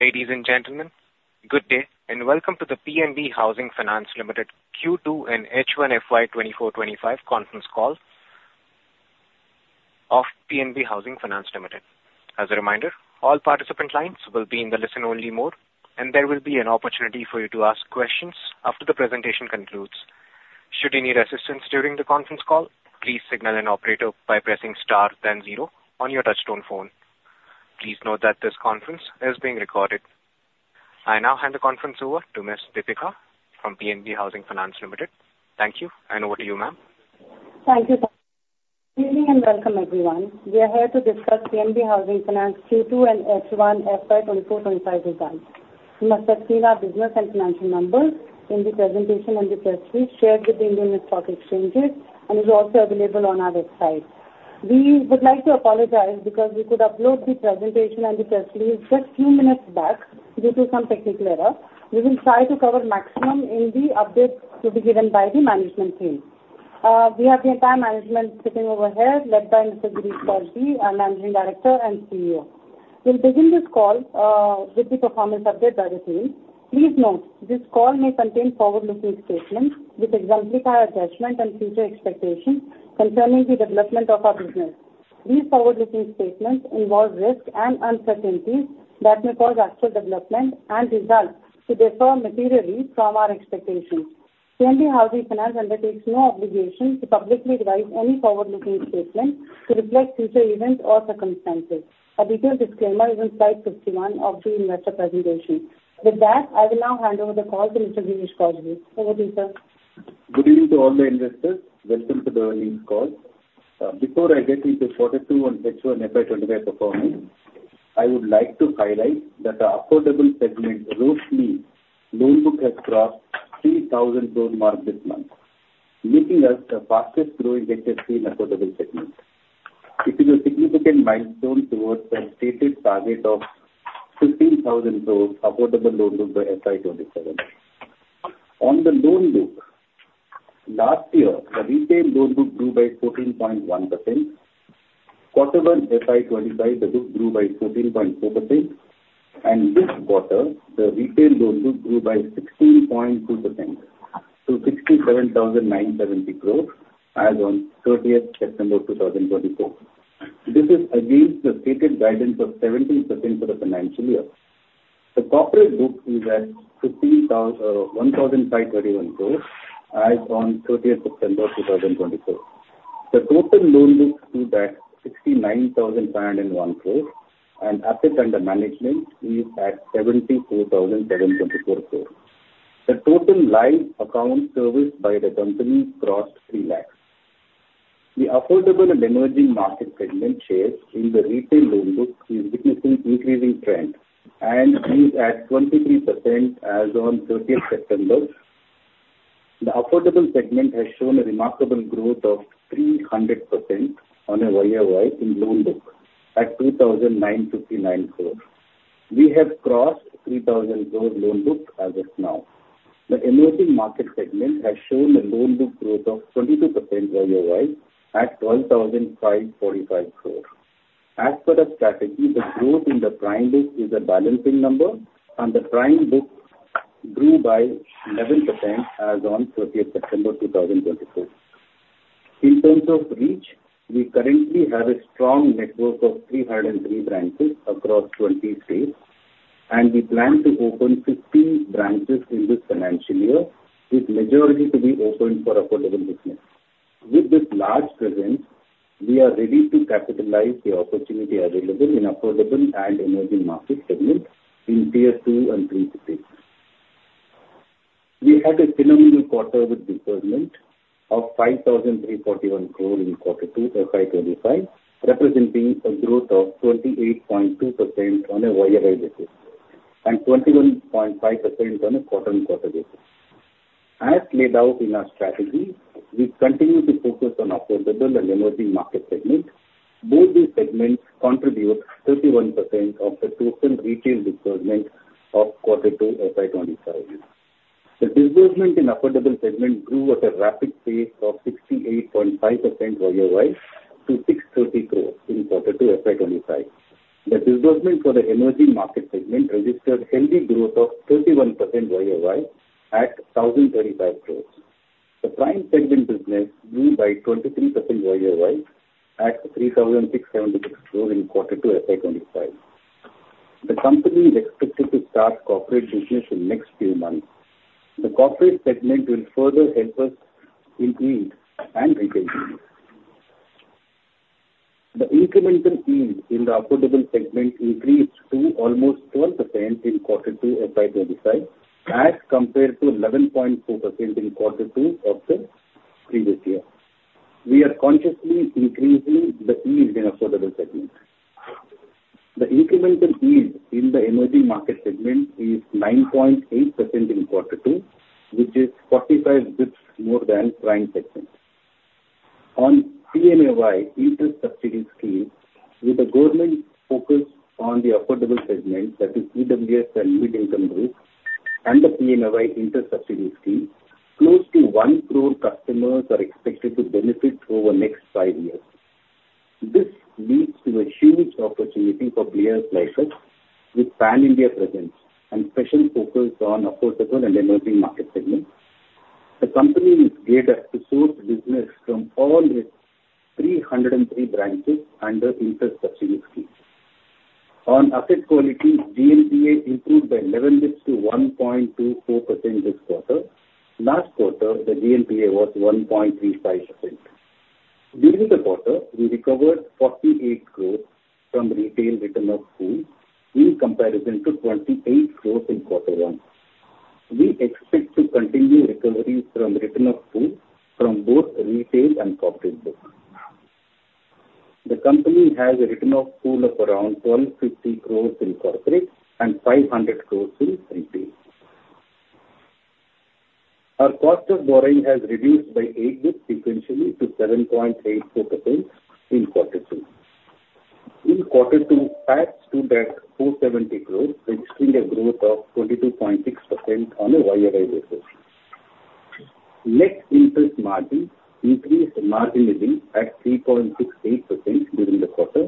...Ladies and gentlemen, good day, and welcome to the PNB Housing Finance Limited Q2 and H1 FY 2024/2025 conference call of PNB Housing Finance Limited. As a reminder, all participant lines will be in the listen-only mode, and there will be an opportunity for you to ask questions after the presentation concludes. Should you need assistance during the conference call, please signal an operator by pressing star then zero on your touchtone phone. Please note that this conference is being recorded. I now hand the conference over to Ms. Deepika from PNB Housing Finance Limited. Thank you, and over to you, ma'am. Thank you, good evening, and welcome, everyone. We are here to discuss PNB Housing Finance Q2 and H1 FY 2024/2025 results. You must have seen our business and financial numbers in the presentation and the press release, shared with the Indian stock exchanges, and is also available on our website. We would like to apologize because we could upload the presentation and the press release just few minutes back due to some technical error. We will try to cover maximum in the updates to be given by the management team. We have the entire management sitting over here, led by Mr. Girish Kousgi, our Managing Director and CEO. We'll begin this call with the performance update by the team. Please note, this call may contain forward-looking statements which exemplify our judgment and future expectations concerning the development of our business. These forward-looking statements involve risks and uncertainties that may cause actual development and results to differ materially from our expectations. PNB Housing Finance undertakes no obligation to publicly revise any forward-looking statement to reflect future events or circumstances. A detailed disclaimer is on slide 51 of the investor presentation. With that, I will now hand over the call to Mr. Girish Kousgi. Over to you, sir. Good evening to all the investors. Welcome to the earnings call. Before I get into quarter two and H1 FY 2025 performance, I would like to highlight that our Affordable segment, roughly loan book, has crossed 3,000 crore mark this month, making us the fastest growing HFC in Affordable segment. It is a significant milestone towards the stated target of 15,000 crores Affordable loan book by FY 2027. On the loan book, last year, the retail loan book grew by 14.1%. Quarter one, FY 2025, the book grew by 14.4%, and this quarter, the retail loan book grew by 16.2% to 67,970 crores as on thirtieth September, 2024. This is against the stated guidance of 17% for the financial year. The corporate book is at 1,531 crores as on 30th September 2024. The total loan book is at 69,501 crores, and assets under management is at 74,724 crores. The total live accounts serviced by the company crossed 3 lakhs. The Affordable and Emerging market segment shares in the retail loan book is witnessing increasing trend and is at 23% as on 30th September. The Affordable segment has shown a remarkable growth of 300% on a YoY in loan book at 2,959 crores. We have crossed 3,000 crore loan book as of now. The Emerging market segment has shown a loan book growth of 22% YoY at 1,545 crores. As per the strategy, the growth in the Prime book is a balancing number, and the Prime book grew by 11% as on 30th September 2024. In terms of reach, we currently have a strong network of 303 branches across 20 states, and we plan to open 15 branches in this financial year, with majority to be opened for Affordable business. With this large presence, we are ready to capitalize the opportunity available in Affordable and Emerging market segments in Tier II and III cities. We had a phenomenal quarter with disbursement of 5,341 crore in quarter 2 FY 2025, representing a growth of 28.2% on a YoY basis and 21.5% on a quarter-on-quarter basis. As laid out in our strategy, we continue to focus on Affordable and Emerging market segments. Both these segments contribute 31% of the total retail disbursement of quarter two FY 2025. The disbursement in Affordable segment grew at a rapid pace of 68.5% YoY to INR 630 crore in quarter two FY 2025. The disbursement for the Emerging market segment registered healthy growth of 31% YoY at 1,035 crore. The Prime segment business grew by 23% YoY at 3,676 crore in quarter two FY 2025. The company is expected to start corporate business in next few months. The corporate segment will further help us increase and retain business. The incremental yield in the Affordable segment increased to almost 12% in quarter two FY 2025, as compared to 11.4% in quarter two of the previous year. We are consciously increasing the yield in Affordable segment. The incremental yield in the Emerging market segment is 9.8% in quarter two, which is 45 basis points more than Prime segment. On PMAY interest subsidy scheme, with the government focused on the Affordable segment, that is EWS and mid-income group, and the PMAY interest subsidy scheme, close to 1 crore customers are expected to benefit over next five years. This leads to a huge opportunity for PNB Housing Finance with pan-India presence and special focus on Affordable and Emerging market segments. The company is geared up to source business from all its 303 branches under interest subsidy scheme. On asset quality, GNPA improved by 11 basis points to 1.24% this quarter. Last quarter, the GNPA was 1.35%. During the quarter, we recovered 48 crores from retail written off pool, in comparison to 28 crores in quarter one. We expect to continue recoveries from written off pool from both retail and corporate book. The company has a written off pool of around 1,250 crores in corporate and 500 crores in retail. Our cost of borrowing has reduced by eight basis points sequentially to 7.84% in quarter two. In quarter two, PAT stood at 270 crores, registering a growth of 22.6% on a YOY basis. Net interest margin increased marginally at 3.68% during the quarter.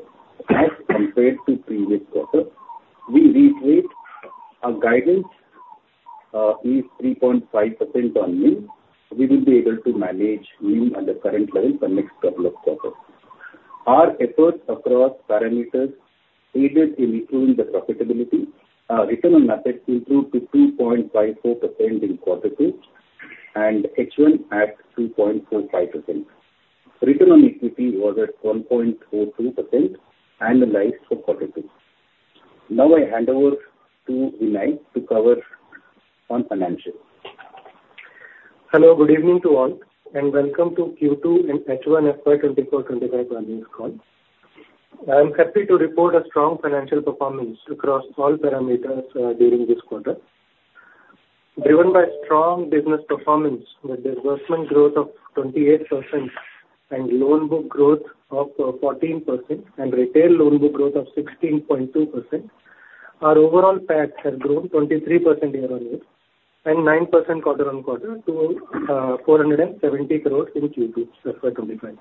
As compared to previous quarter, we reiterate our guidance is 3.5% on NIM. We will be able to manage NIM at the current level for next couple of quarters. Our efforts across parameters aided in improving the profitability. Return on assets improved to 2.54% in quarter two, and H1 at 2.45%. Return on equity was at 1.42%, annualized for quarter two. Now I hand over to Vinay to cover on financials. Hello, good evening to all, and welcome to Q2 and H1 FY 2024-25 earnings call. I am happy to report a strong financial performance across all parameters during this quarter. Driven by strong business performance, with disbursement growth of 28% and loan book growth of 14% and retail loan book growth of 16.2%, our overall PAT has grown 23% year on year and 9% quarter on quarter to 470 crore in Q2, FY 2024-2025.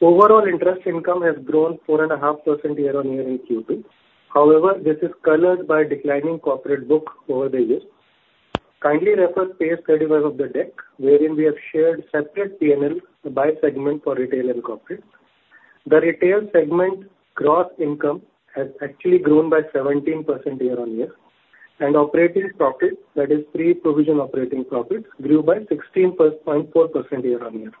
Overall, interest income has grown 4.5% year on year in Q2. However, this is colored by declining corporate book over the years. Kindly refer page 35 of the deck, wherein we have shared separate PNL by segment for retail and corporate. The retail segment gross income has actually grown by 17% year on year, and operating profit, that is pre-provision operating profits, grew by 16.4% year on year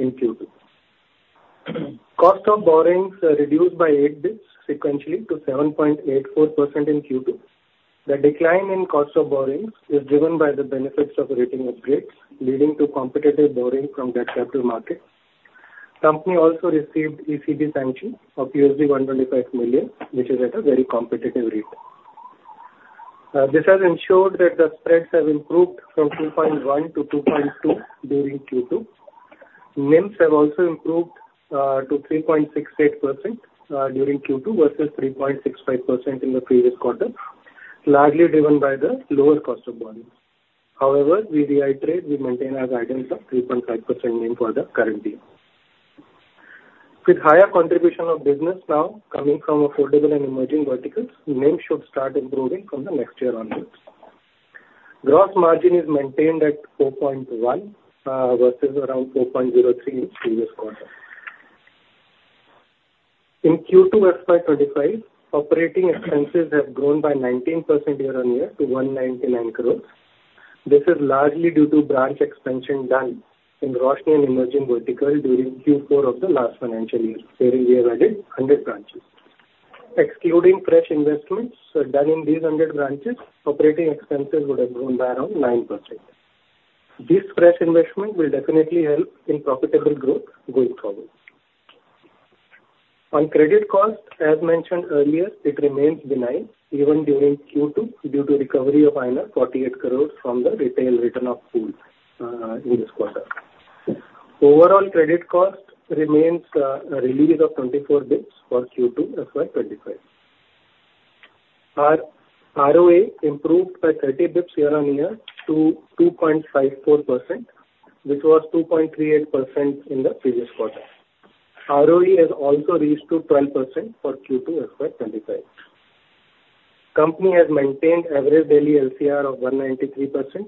in Q2. Cost of borrowings reduced by eight basis points sequentially to 7.84% in Q2. The decline in cost of borrowings is driven by the benefits of rating upgrades, leading to competitive borrowing from debt capital markets. Company also received ECB sanction of $125 million, which is at a very competitive rate. This has ensured that the spreads have improved from 2.1 -2.2 during Q2. NIMs have also improved to 3.68% during Q2, versus 3.65% in the previous quarter, largely driven by the lower cost of borrowing. However, we reiterate, we maintain our guidance of 3.5% NIM for the current year. With higher contribution of business now coming from Affordable and Emerging verticals, NIM should start improving from the next year onwards. Gross margin is maintained at 4.1 versus around 4.03 in previous quarter. In Q2 FY 2025, operating expenses have grown by 19% year on year to 199 crores. This is largely due to branch expansion done in Affordable and Emerging vertical during Q4 of the last financial year, where we added 100 branches. Excluding fresh investments done in these 100 branches, operating expenses would have grown by around 9%. This fresh investment will definitely help in profitable growth going forward. On credit cost, as mentioned earlier, it remains benign even during Q2, due to recovery of INR 48 crores from the retail written off pool in this quarter. Overall, credit cost remains a release of 24 basis points for Q2 FY 2025. Our ROA improved by 30 basis points year on year to 2.54%, which was 2.38% in the previous quarter. ROE has also reached to 12% for Q2 FY 2025. Company has maintained average daily LCR of 193%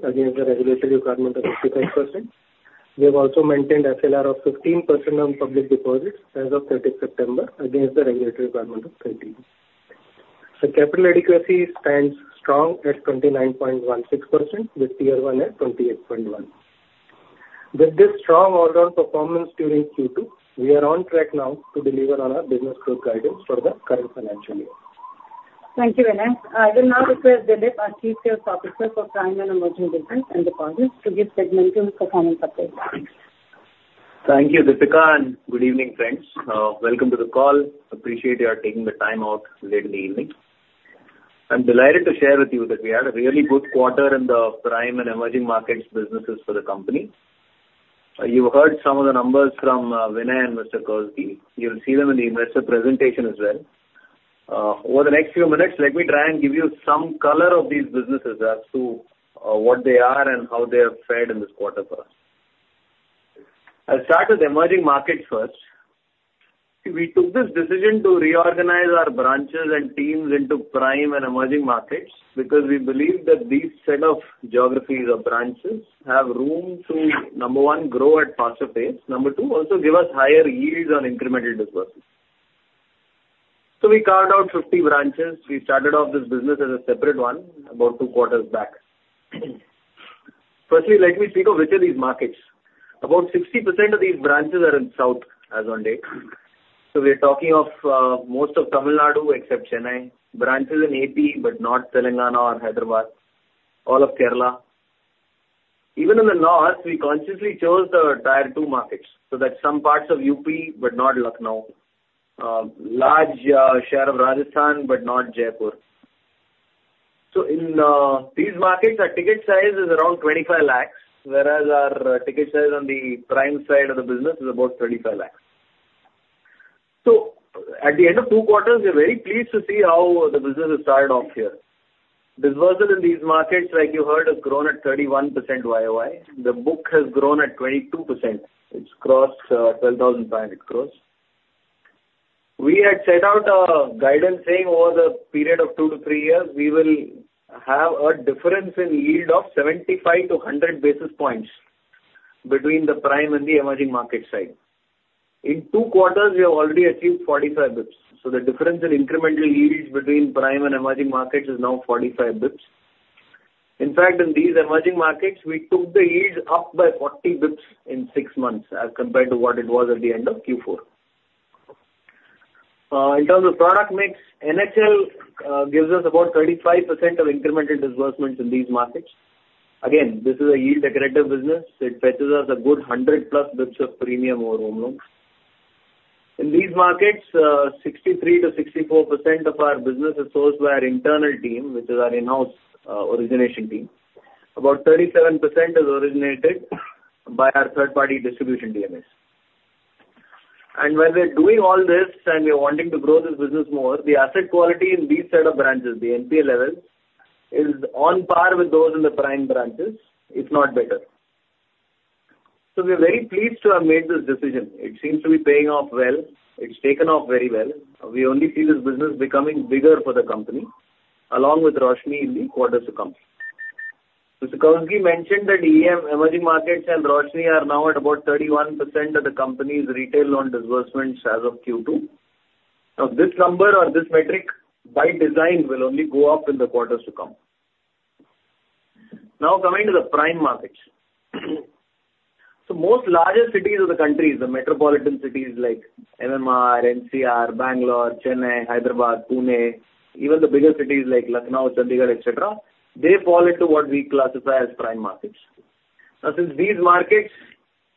against the regulatory requirement of 55%. We have also maintained SLR of 15% on public deposits as of 30 September, against the regulatory requirement of 13%. The capital adequacy stands strong at 29.16%, with Tier I at 28.1%. With this strong overall performance during Q2, we are on track now to deliver on our business growth guidance for the current financial year. Thank you, Vinay. I will now request Dilip, our Chief Sales Officer for Prime and Emerging Business and Deposits to give segment and performance update. Thank you, Deepika, and good evening, friends. Welcome to the call. Appreciate you are taking the time out late in the evening. I'm delighted to share with you that we had a really good quarter in the Prime and Emerging markets businesses for the company. You heard some of the numbers from Vinay and Mr. Kousgi. You'll see them in the investor presentation as well. Over the next few minutes, let me try and give you some color of these businesses as to what they are and how they have fared in this quarter for us. I'll start with Emerging markets first. We took this decision to reorganize our branches and teams into Prime and Emerging markets, because we believe that these set of geographies or branches have room to, number one, grow at faster pace. Number two, also give us higher yields on incremental disbursements. So we carved out 50 branches. We started off this business as a separate one about two quarters back. Firstly, let me speak of which are these markets. About 60% of these branches are in South as on date. So we are talking of most of Tamil Nadu, except Chennai, branches in AP, but not Telangana or Hyderabad, all of Kerala. Even in the North, we consciously chose the Tier II markets, so that's some parts of UP but not Lucknow. Large share of Rajasthan, but not Jaipur. So in these markets, our ticket size is around 25 lakhs, whereas our ticket size on the Prime side of the business is about 35 lakhs. So at the end of two quarters, we are very pleased to see how the business has started off here. Disbursement in these markets, like you heard, has grown at 31% YOY. The book has grown at 22%. It's crossed 12,500 crores. We had set out a guidance saying over the period of 2-3 years, we will have a difference in yield of 75-100 basis points between the Prime and the Emerging market side. In 2 quarters, we have already achieved 45 basis points. So the difference in incremental yields between Prime and Emerging markets is now 45 basis points. In fact, in these Emerging markets, we took the yields up by 40 basis points in six months as compared to what it was at the end of Q4. In terms of product mix, NHL gives us about 35% of incremental disbursements in these markets. Again, this is a yield accretive business. It fetches us a good 100+ basis points of premium over home loans. In these markets, 63%-64% of our business is sourced by our internal team, which is our in-house origination team. About 37% is originated by our third-party distribution DSAs. And when we are doing all this and we are wanting to grow this business more, the asset quality in these set of branches, the NPA level, is on par with those in the Prime branches, if not better. So we are very pleased to have made this decision. It seems to be paying off well. It's taken off very well. We only see this business becoming bigger for the company, along with Roshni in the quarters to come. Mr. Kousgi mentioned that EM, Emerging markets and Roshni are now at about 31% of the company's retail loan disbursements as of Q2. Now, this number or this metric, by design, will only go up in the quarters to come. Now, coming to the Prime markets. So most largest cities of the country, the metropolitan cities like MMR, NCR, Bangalore, Chennai, Hyderabad, Pune, even the bigger cities like Lucknow, Chandigarh, et cetera, they fall into what we classify as Prime markets. Now, since these markets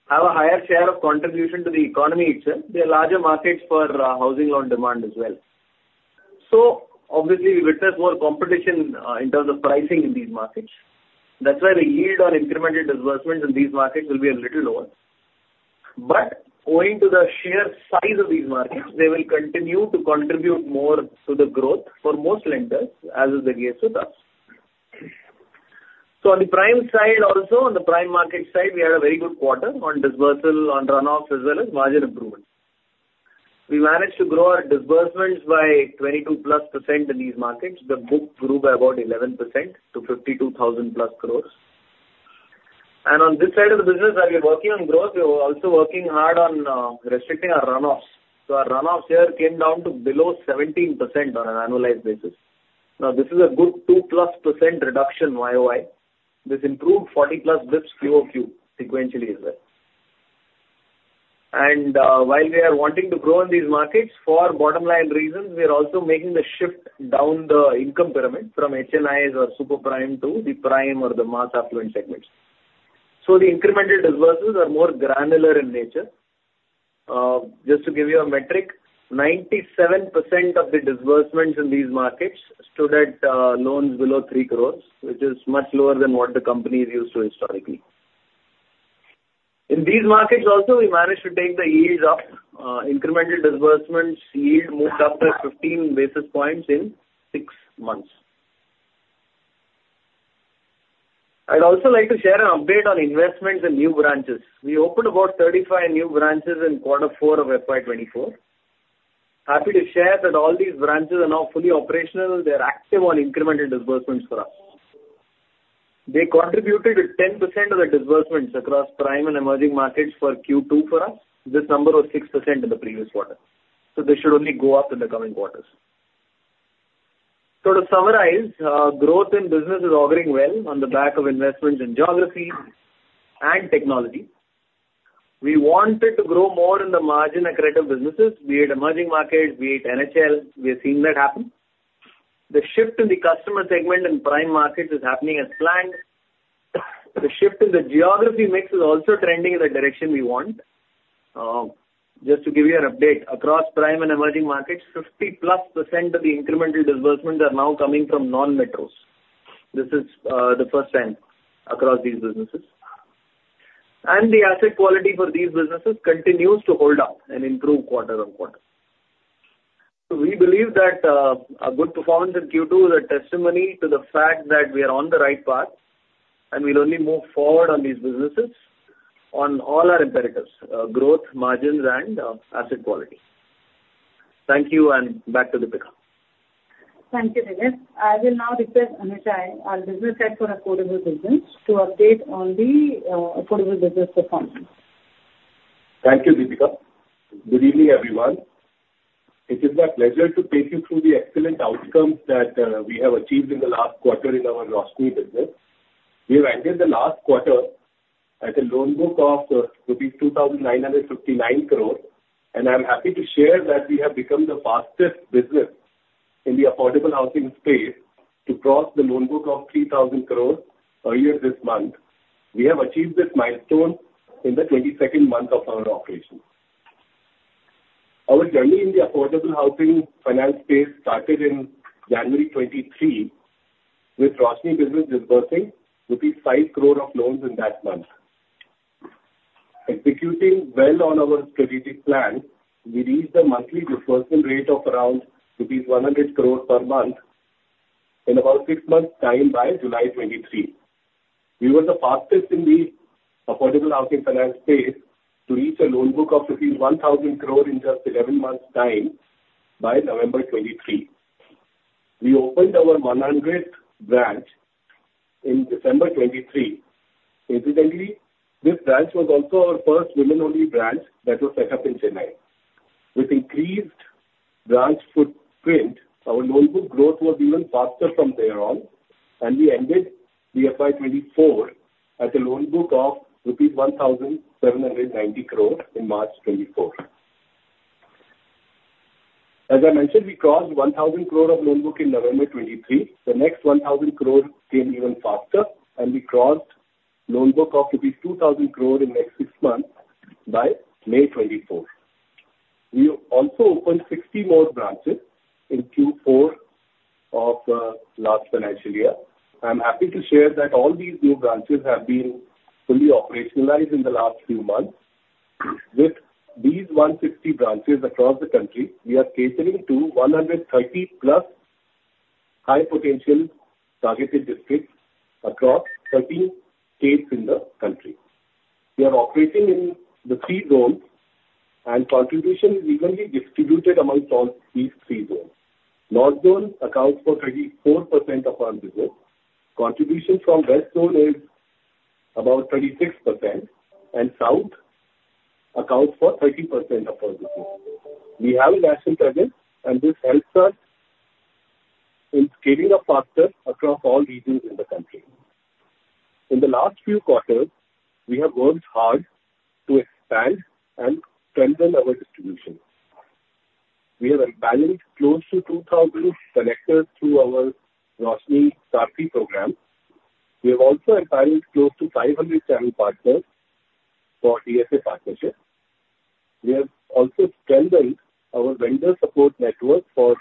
have a higher share of contribution to the economy itself, they are larger markets for housing loan demand as well. So obviously, we witness more competition in terms of pricing in these markets. That's why the yield on incremental disbursements in these markets will be a little lower. But owing to the sheer size of these markets, they will continue to contribute more to the growth for most lenders, as is the case with us. So on the Prime side also, on the Prime market side, we had a very good quarter on disbursement, on runoffs, as well as margin improvement. We managed to grow our disbursements by 22+% in these markets. The book grew by about 11% to 52,000+ crores. And on this side of the business, as we're working on growth, we are also working hard on restricting our runoffs. So our runoffs here came down to below 17% on an annualized basis. Now, this is a good 2+% reduction YOY. This improved 40+ basis points QoQ sequentially as well. And while we are wanting to grow in these markets, for bottom line reasons, we are also making the shift down the income pyramid from HNIs or super Prime to the Prime or the mass affluent segments. So the incremental disbursements are more granular in nature. Just to give you a metric, 97% of the disbursements in these markets stood at loans below three crores, which is much lower than what the company is used to historically. In these markets also, we managed to take the yields up. Incremental disbursements yield moved up by 15 basis points in six months. I'd also like to share an update on investments in new branches. We opened about 35 new branches in quarter four of FY 2024. Happy to share that all these branches are now fully operational. They are active on incremental disbursements for us. They contributed to 10% of the disbursements across Prime and Emerging markets for Q2 for us. This number was 6% in the previous quarter, so this should only go up in the coming quarters. So to summarize, growth in business is auguring well on the back of investments in geography and technology. We wanted to grow more in the margin accretive businesses, be it Emerging markets, be it NHL. We are seeing that happen. The shift in the customer segment in Prime markets is happening as planned. The shift in the geography mix is also trending in the direction we want. Just to give you an update, across Prime and Emerging markets, 50+% of the incremental disbursements are now coming from non-metros. This is the first time across these businesses and the asset quality for these businesses continues to hold up and improve quarter on quarter. So we believe that, a good performance in Q2 is a testimony to the fact that we are on the right path, and we'll only move forward on these businesses on all our imperatives, growth, margins, and, asset quality. Thank you, and back to Deepika. Thank you, Dilip I will now request Anuj Jain, our Business Head for Affordable Housing, to update on the Affordable housing performance. Thank you, Deepika. Good evening, everyone. It is my pleasure to take you through the excellent outcomes that we have achieved in the last quarter in our Roshni business. We've ended the last quarter at a loan book of rupees 2,959 crore, and I'm happy to share that we have become the fastest business in the Affordable housing space to cross the loan book of 3,000 crore earlier this month. We have achieved this milestone in the 22 month of our operations. Our journey in the Affordable housing finance space started in January 2023, with Roshni business disbursing rupees 5 crore of loans in that month. Executing well on our strategic plan, we reached a monthly disbursement rate of around rupees 100 crore per month in about six months' time by July 2023. We were the fastest in the Affordable housing finance space to reach a loan book of rupees 1,000 crores in just 11 months' time by November 2023. We opened our 100th branch in December 2023. Incidentally, this branch was also our first women-only branch that was set up in Chennai. With increased branch footprint, our loan book growth was even faster from there on, and we ended the FY 2024 at a loan book of rupees 1,790 crores in March 2024. As I mentioned, we crossed 1,000 crores of loan book in November 2023. The next 1,000 crores came even faster, and we crossed loan book of rupees 2,000 crores in the next six months by May 2024. We also opened 60 more branches in Q4 of last financial year. I'm happy to share that all these new branches have been fully operationalized in the last few months. With these 160 branches across the country, we are catering to 130+ high-potential targeted districts across 13 states in the country. We are operating in the 3 zones, and contribution is evenly distributed amongst all these 3 zones. North Zone accounts for 34% of our business. Contribution from West Zone is about 36%, and South accounts for 30% of our business. We have a national presence, and this helps us in scaling up faster across all regions in the country. In the last few quarters, we have worked hard to expand and strengthen our distribution. We have empaneled close to 2,000 collectors through our Roshni Star Program. We have also empaneled close to 500 channel partners for DSA partnership. We have also strengthened our vendor support network for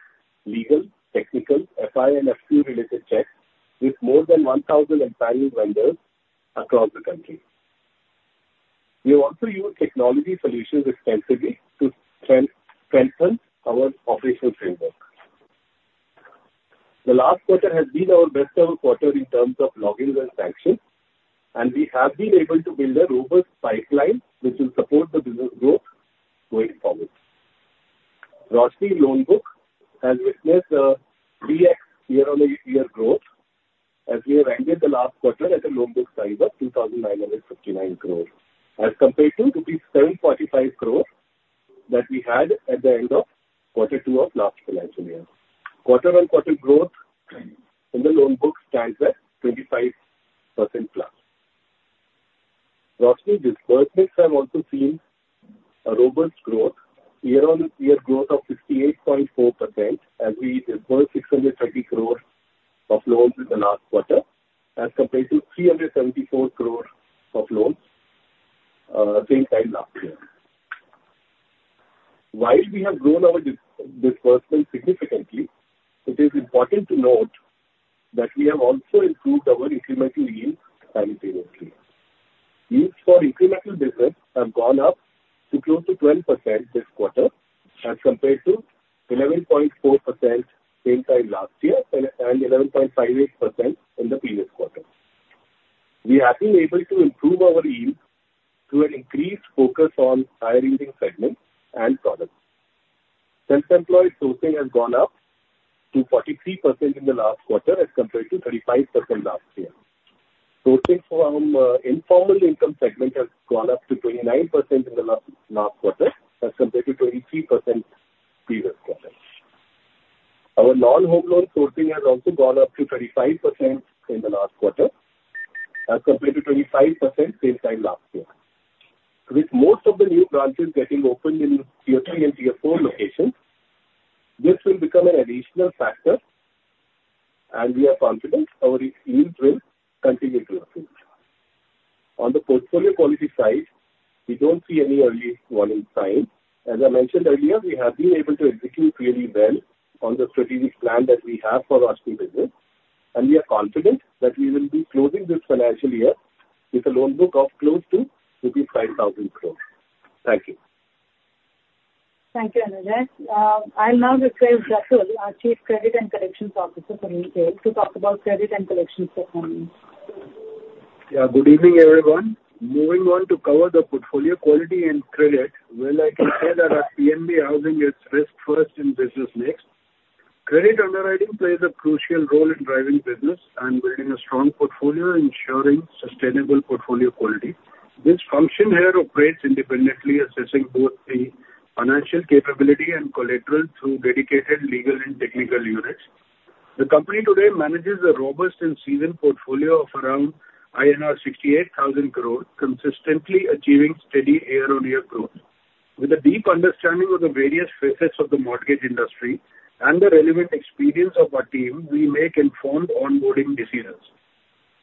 legal, technical, FI, and FCU-related checks, with more than 1,000 empaneled vendors across the country. We have also used technology solutions extensively to strengthen our operational framework. The last quarter has been our best ever quarter in terms of logins and sanctions, and we have been able to build a robust pipeline, which will support the business growth going forward. Roshni loan book has witnessed a 3x year-on-year growth, as we have ended the last quarter at a loan book size of 2,959 crores, as compared to rupees 745 crores that we had at the end of quarter two of last financial year. Quarter on quarter growth in the loan book stands at 25%+. Roshni disbursements have also seen a robust growth, year-on-year growth of 58.4%, as we disbursed 630 crore of loans in the last quarter, as compared to 374 crore of loans, same time last year. While we have grown our disbursement significantly, it is important to note that we have also improved our incremental yield simultaneously. Yields for incremental business have gone up to close to 12% this quarter, as compared to 11.4% same time last year, and 11.58% in the previous quarter. We have been able to improve our yield through an increased focus on higher-yielding segments and products. Self-employed sourcing has gone up to 43% in the last quarter, as compared to 35% last year. Sourcing from informal income segment has gone up to 29% in the last quarter, as compared to 23% previous quarter. Our non-home loan sourcing has also gone up to 35% in the last quarter, as compared to 25% same time last year. With most of the new branches getting opened in Tier III and Tier IV locations, this will become an additional factor, and we are confident our yield will continue to improve. On the portfolio quality side, we don't see any early warning signs. As I mentioned earlier, we have been able to execute really well on the strategic plan that we have for our business, and we are confident that we will be closing this financial year with a loan book of close to rupees 5,000 crores. Thank you. Thank you, Anuj. I'll now request Jatin Chawla, our Chief Credit and Collections Officer for retail, to talk about credit and collections performance. Yeah, good evening, everyone. Moving on to cover the portfolio quality and credit. Well, I can say that our PNB Housing is risk first and business next. Credit underwriting plays a crucial role in driving business and building a strong portfolio, ensuring sustainable portfolio quality. This function here operates independently, assessing both the financial capability and collateral through dedicated legal and technical units. The company today manages a robust and seasoned portfolio of around INR 68,000 crores, consistently achieving steady year-on-year growth. With a deep understanding of the various facets of the mortgage industry and the relevant experience of our team, we make informed onboarding decisions.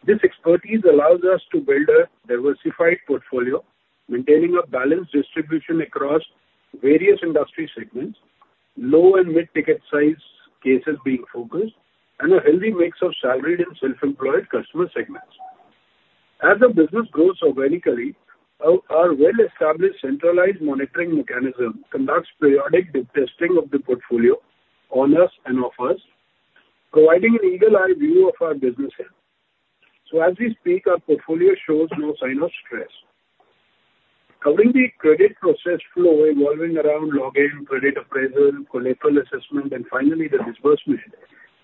This expertise allows us to build a diversified portfolio, maintaining a balanced distribution across various industry segments, low and mid-ticket size cases being focused, and a healthy mix of salaried and self-employed customer segments. As the business grows organically, our well-established centralized monitoring mechanism conducts periodic testing of the portfolio on-us and off-us checks, providing an eagle-eye view of our business here. So as we speak, our portfolio shows no sign of stress. Covering the credit process flow revolving around login, credit appraisal, collateral assessment, and finally, the disbursement,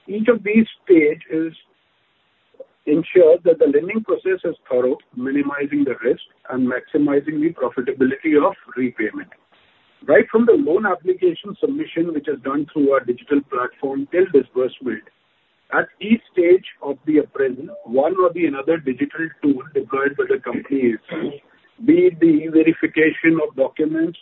each of these stages ensure that the lending process is thorough, minimizing the risk and maximizing the profitability of repayment. Right from the loan application submission, which is done through our digital platform, till disbursement, at each stage of the appraisal, one or the other digital tool deployed by the company is used, be it the e-verification of documents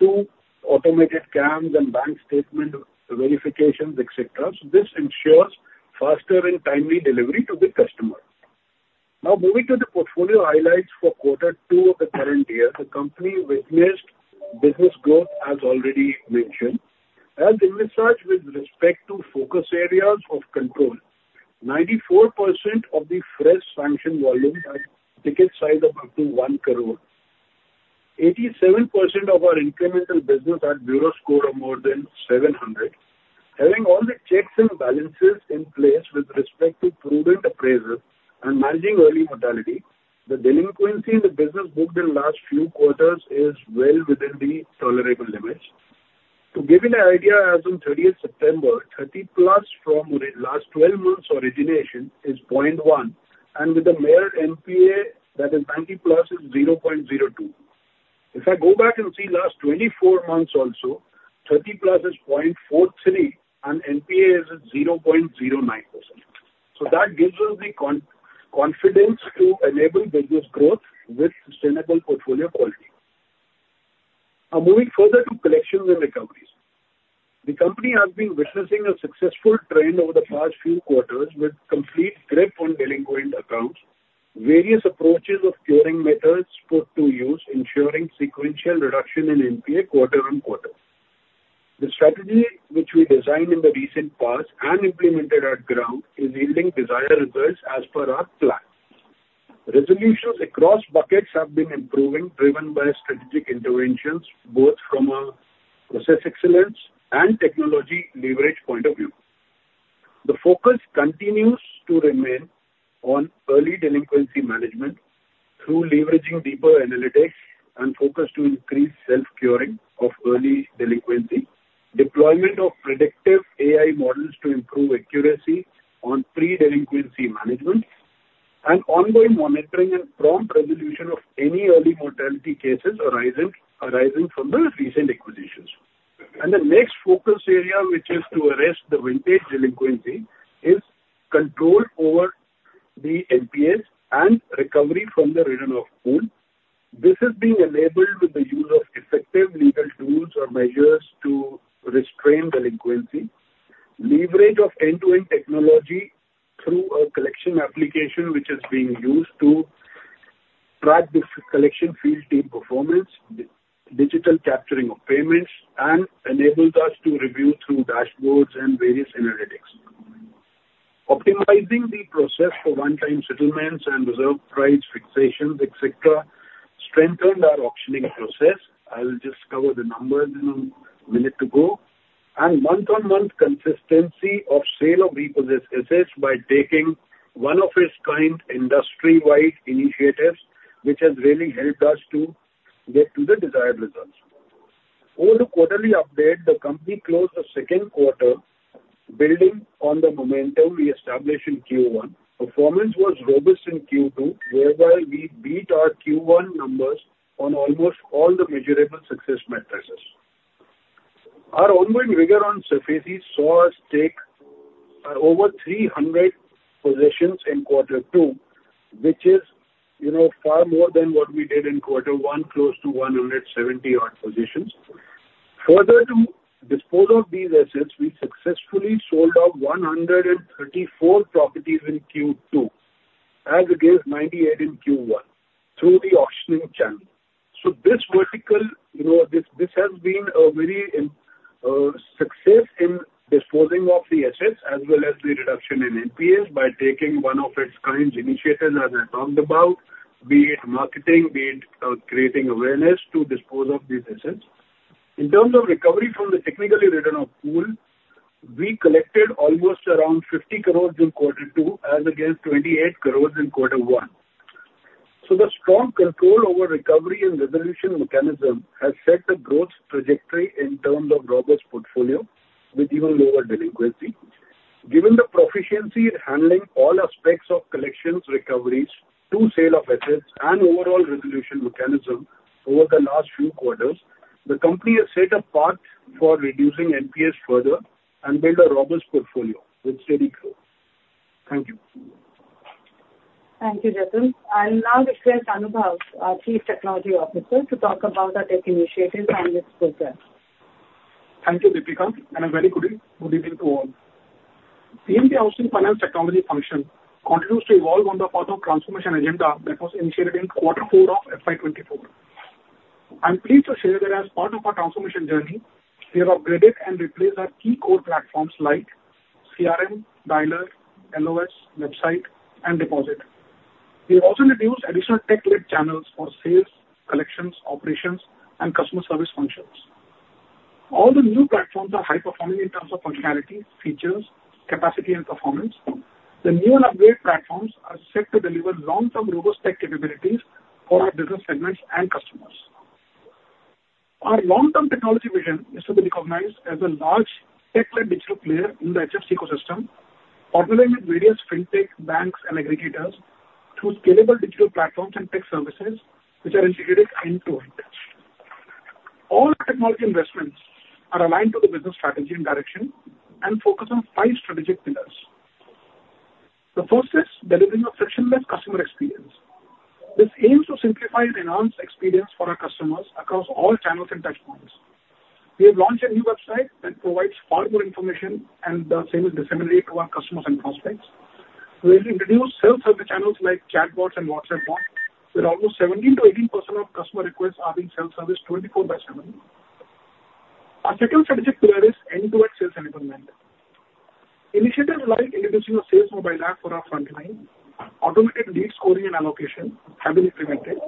to automated CAMs and bank statement verifications, etc. So this ensures faster and timely delivery to the customer. Now, moving to the portfolio highlights for quarter two of the current year, the company witnessed business growth, as already mentioned, and increased with respect to focus areas of control. 94% of the fresh sanction volume had ticket size up to 1 crore. 87% of our incremental business had bureau score of more than 700. Having all the checks and balances in place with respect to prudent appraisal and managing early mortality, the delinquency in the business booked in last few quarters is well within the tolerable limits. To give you an idea, as on 30 September, 30+ from last 12 months origination is 0.1%, and the NPA that is 90+ is 0.02%. If I go back and see last 24 months also, 30+ is 0.43%, and NPA is at 0.09%. That gives us the confidence to enable business growth with sustainable portfolio quality. Now, moving further to collections and recoveries. The company has been witnessing a successful trend over the past few quarters with complete grip on delinquent accounts, various approaches of curing methods put to use, ensuring sequential reduction in NPA quarter on quarter. The strategy which we designed in the recent past and implemented at ground, is yielding desired results as per our plan. Resolutions across buckets have been improving, driven by strategic interventions, both from a process excellence and technology leverage point of view. The focus continues to remain on early delinquency management through leveraging deeper analytics and focus to increase self-curing of early delinquency, deployment of predictive AI models to improve accuracy on pre-delinquency management, and ongoing monitoring and prompt resolution of any early mortality cases arising from the recent acquisitions. And the next focus area, which is to arrest the vintage delinquency, is control over the NPAs and recovery from the written-off pool. This is being enabled with the use of effective legal tools or measures to restrain delinquency, leverage of end-to-end technology through a collection application which is being used to track the collection field team performance, digital capturing of payments, and enables us to review through dashboards and various analytics. Optimizing the process for one-time settlements and reserve price fixations, etc., strengthened our auctioning process. I will just cover the numbers in a minute to go. And month-on-month consistency of sale of repossessed assets by taking one-of-a-kind industry-wide initiatives, which has really helped us to get to the desired results. Over the quarterly update, the company closed the second quarter building on the momentum we established in Q1. Performance was robust in Q2, whereby we beat our Q1 numbers on almost all the measurable success metrics. Our ongoing rigor on sourcing saw us take over 300 possessions in quarter two, which is, you know, far more than what we did in quarter one, close to 170 odd possessions Further to dispose of these assets, we successfully sold 134 properties in Q2, as against 98 in Q1, through the auctioning channel. So this vertical, you know, this, this has been a very successful in disposing of the assets as well as the reduction in NPAs by taking one of a kind initiatives, as I talked about, be it marketing, be it creating awareness to dispose of these assets. In terms of recovery from the technically written-off pool, we collected almost around 50 crores in quarter two, as against 28 crores in quarter one. So the strong control over recovery and resolution mechanism has set the growth trajectory in terms of robust portfolio with even lower delinquency. Given the proficiency in handling all aspects of collections, recoveries, to sale of assets and overall resolution mechanism over the last few quarters, the company has set a path for reducing NPA further and build a robust portfolio with steady growth. Thank you. Thank you, Jatin. I'll now request Anubhav, our Chief Technology Officer, to talk about our tech initiatives and its progress. Thank you, Deepika, and a very good evening to all. PNB Housing Finance technology function continues to evolve on the path of transformation agenda that was initiated in quarter four of FY 2024. I'm pleased to share that as part of our transformation journey, we have upgraded and replaced our key core platforms like CRM, Dialer, LOS, website, and Deposit. We have also introduced additional tech-led channels for sales, collections, operations, and customer service functions. All the new platforms are high-performing in terms of functionality, features, capacity and performance. The new and upgraded platforms are set to deliver long-term robust tech capabilities for our business segments and customers. Our long-term technology vision is to be recognized as a large tech-led digital player in the HFC ecosystem, partnering with various fintech, banks, and aggregators through scalable digital platforms and tech services, which are integrated end-to-end. All technology investments are aligned to the business strategy and direction and focus on five strategic pillars. The first is delivering a frictionless customer experience. This aims to simplify and enhance experience for our customers across all channels and touchpoints. We have launched a new website that provides far more information and the same is disseminated to our customers and prospects. We have introduced self-service channels like chatbots and WhatsApp bot, where almost 17%-18% of customer requests are being self-serviced 24/7. Our second strategic pillar is end-to-end sales enablement. Initiatives like introducing a sales mobile app for our frontline, automated lead scoring and allocation have been implemented.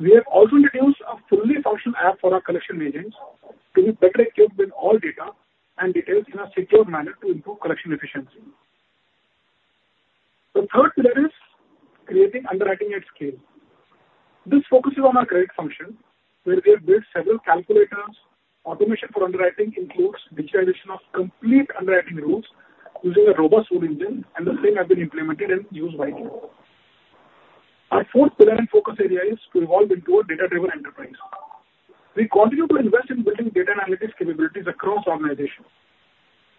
We have also introduced a fully functional app for our collection agents to be better equipped with all data and details in a secure manner to improve collection efficiency. The third pillar is creating underwriting at scale. This focuses on our credit function, where we have built several calculators. Automation for underwriting includes digitization of complete underwriting rules using a robust rule engine, and the same has been implemented and used widely. Our fourth pillar and focus area is to evolve into a data-driven enterprise. We continue to invest in building data analytics capabilities across organizations.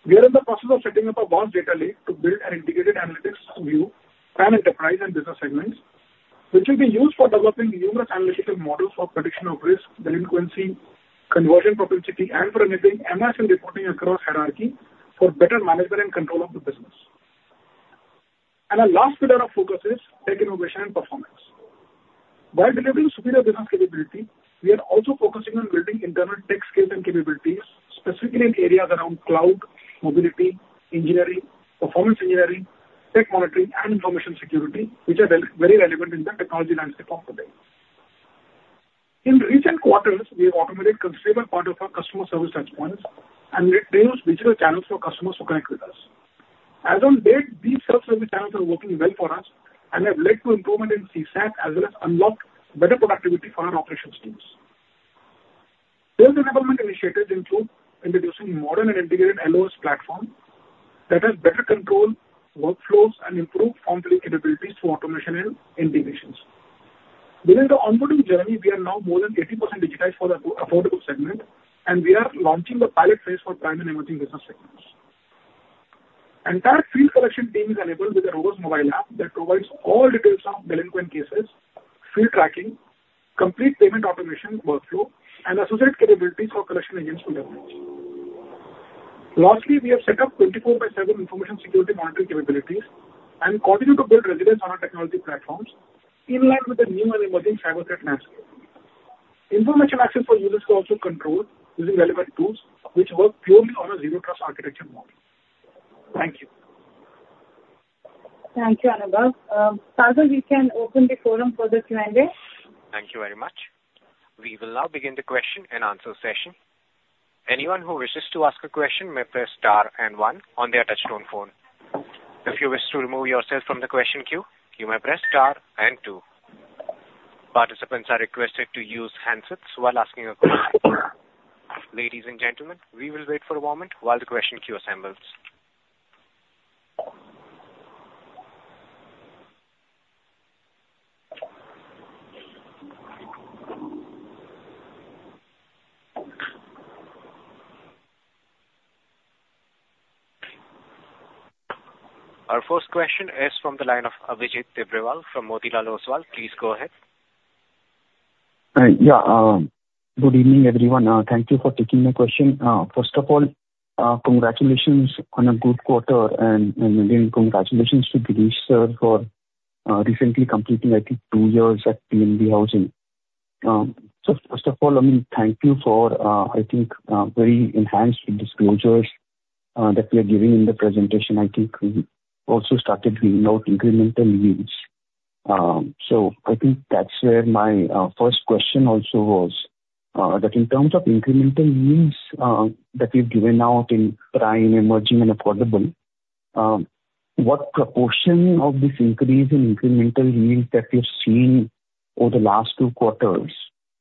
We are in the process of setting up a vast data lake to build an integrated analytics view and enterprise and business segments, which will be used for developing numerous analytical models for prediction of risk, delinquency, conversion propensity, and for enabling management reporting across hierarchy for better management and control of the business, and our last pillar of focus is tech innovation and performance. By delivering superior business capability, we are also focusing on building internal tech skills and capabilities, specifically in areas around cloud, mobility, engineering, performance engineering, tech monitoring, and information security, which are very relevant in the technology landscape of today. In recent quarters, we have automated considerable part of our customer service touchpoints and introduced digital channels for customers to connect with us. As on date, these self-service channels are working well for us and have led to improvement in CSAT, as well as unlocked better productivity for our operations teams. Further development initiatives include introducing modern and integrated LOS platform that has better control, workflows, and improved monitoring capabilities through automation and integrations. During the onboarding journey, we are now more than 80% digitized for the Affordable segment, and we are launching the pilot phase for Prime and Emerging business segments. Entire field collection team is enabled with a robust mobile app that provides all details of delinquent cases, field tracking, complete payment automation workflow, and associate capabilities for collection agents to leverage. Lastly, we have set up 24/7 information security monitoring capabilities and continue to build resilience on our technology platforms in line with the new and Emerging cyber threat landscape. Information access for users is also controlled using relevant tools which work purely on a zero-trust architecture model. Thank you. Thank you, Anubhav. Sagar, we can open the forum for this mandate. Thank you very much. We will now begin the question and answer session. Anyone who wishes to ask a question may press star and one on their touchtone phone. If you wish to remove yourself from the question queue, you may press star and two. Participants are requested to use handsets while asking a question. Ladies and gentlemen, we will wait for a moment while the question queue assembles... Our first question is from the line of Abhijit Tibrewal from Motilal Oswal. Please go ahead. Yeah, good evening, everyone. Thank you for taking my question. First of all, congratulations on a good quarter and again, congratulations to Girish, sir, for recently completing, I think, two years at PNB Housing. So first of all, I mean, thank you for, I think, very enhanced disclosures that you are giving in the presentation. I think we also started reading out incremental yields. So I think that's where my first question also was, that in terms of incremental yields that you've given out in Prime, Emerging, and Affordable, what proportion of this increase in incremental yields that you've seen over the last two quarters,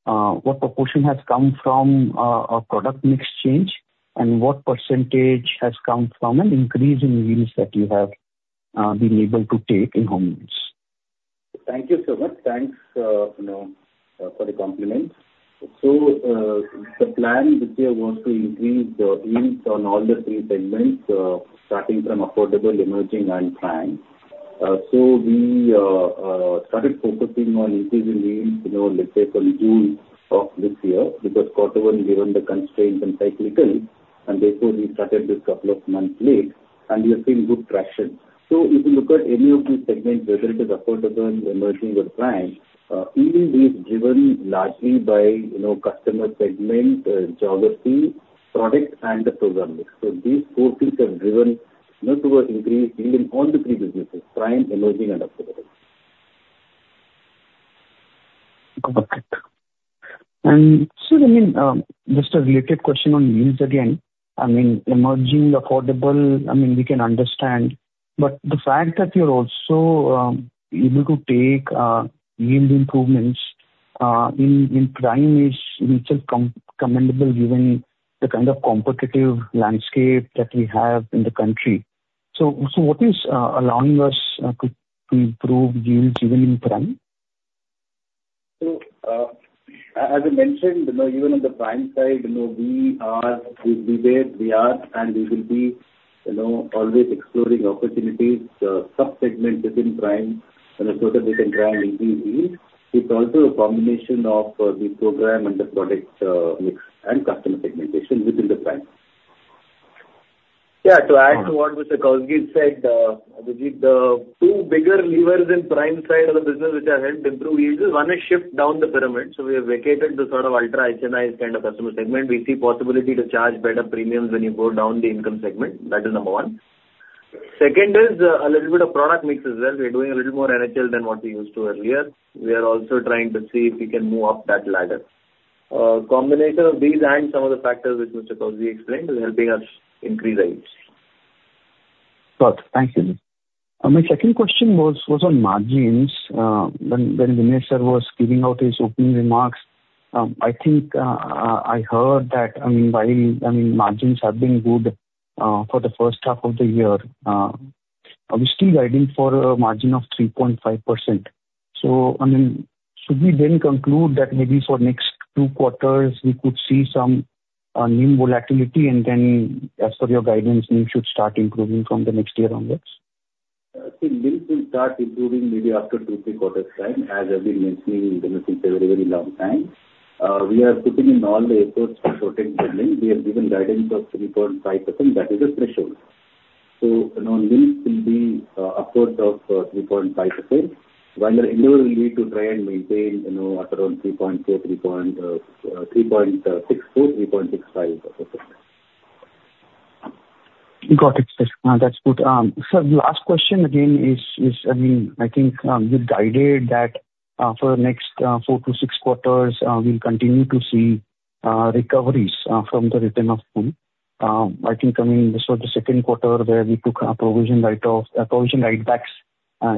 what proportion has come from a product mix change? What percentage has come from an increase in yields that you have been able to take in home loans? Thank you so much. Thanks, you know, for the compliments. So, the plan this year was to increase the yields on all the three segments, starting from Affordable, Emerging, and Prime. So we started focusing on increasing yields, you know, let's say from June of this year, because quarter one, given the constraints and cyclical, and therefore we started this couple of months late, and we are seeing good traction. So if you look at any of these segments, whether it is Affordable and Emerging or Prime, even this is driven largely by, you know, customer segment, geography, product, and the program mix. So these four things have driven, you know, towards increase in all the three businesses: Prime, Emerging, and Affordable. Got it. And so I mean, just a related question on yields again. I mean, Emerging, Affordable, I mean, we can understand, but the fact that you're also able to take yield improvements in Prime is itself commendable, given the kind of competitive landscape that we have in the country. So what is allowing us to improve yields even in Prime? So, as I mentioned, you know, even on the Prime side, you know, we are, we've been, we are and we will be, you know, always exploring opportunities, sub-segments within Prime, and also within Prime yield. It's also a combination of the program and the product mix and customer segmentation within the Prime. Yeah, to add to what Mr. Kousgi said, Abhijit, the two bigger levers in Prime side of the business which are helping improve yields, is one is shift down the pyramid. So we have vacated the sort of ultra HNI kind of customer segment. We see possibility to charge better premiums when you go down the income segment. That is number one. Second is, a little bit of product mix as well. We're doing a little more NHL than what we used to earlier. We are also trying to see if we can move up that ladder. Combination of these and some of the factors which Mr. Kousgi explained, is helping us increase the yields. Got it. Thank you. My second question was on margins. When Vinay sir was giving out his opening remarks, I think I heard that. I mean, while margins have been good for the first half of the year, are we still guiding for a margin of 3.5%? So, I mean, should we then conclude that maybe for next two quarters, we could see some yield volatility, and then as per your guidance, things should start improving from the next year onwards? I think yields will start improving maybe after two, three quarters' time, as I've been mentioning, you know, since very, very long time. We are putting in all the efforts to protect the yield. We have given guidance of 3.5%, that is the threshold. So, you know, yields will be upward of 3.5%, while our endeavor will be to try and maintain, you know, at around 3.4, 3.6- 3.65%. Got it. Yes. That's good. Sir, the last question again is, I mean, I think you guided that for next 4-6 quarters we'll continue to see recoveries from the retail home. I think, I mean, this was the second quarter where we took a provision write-off, provision writebacks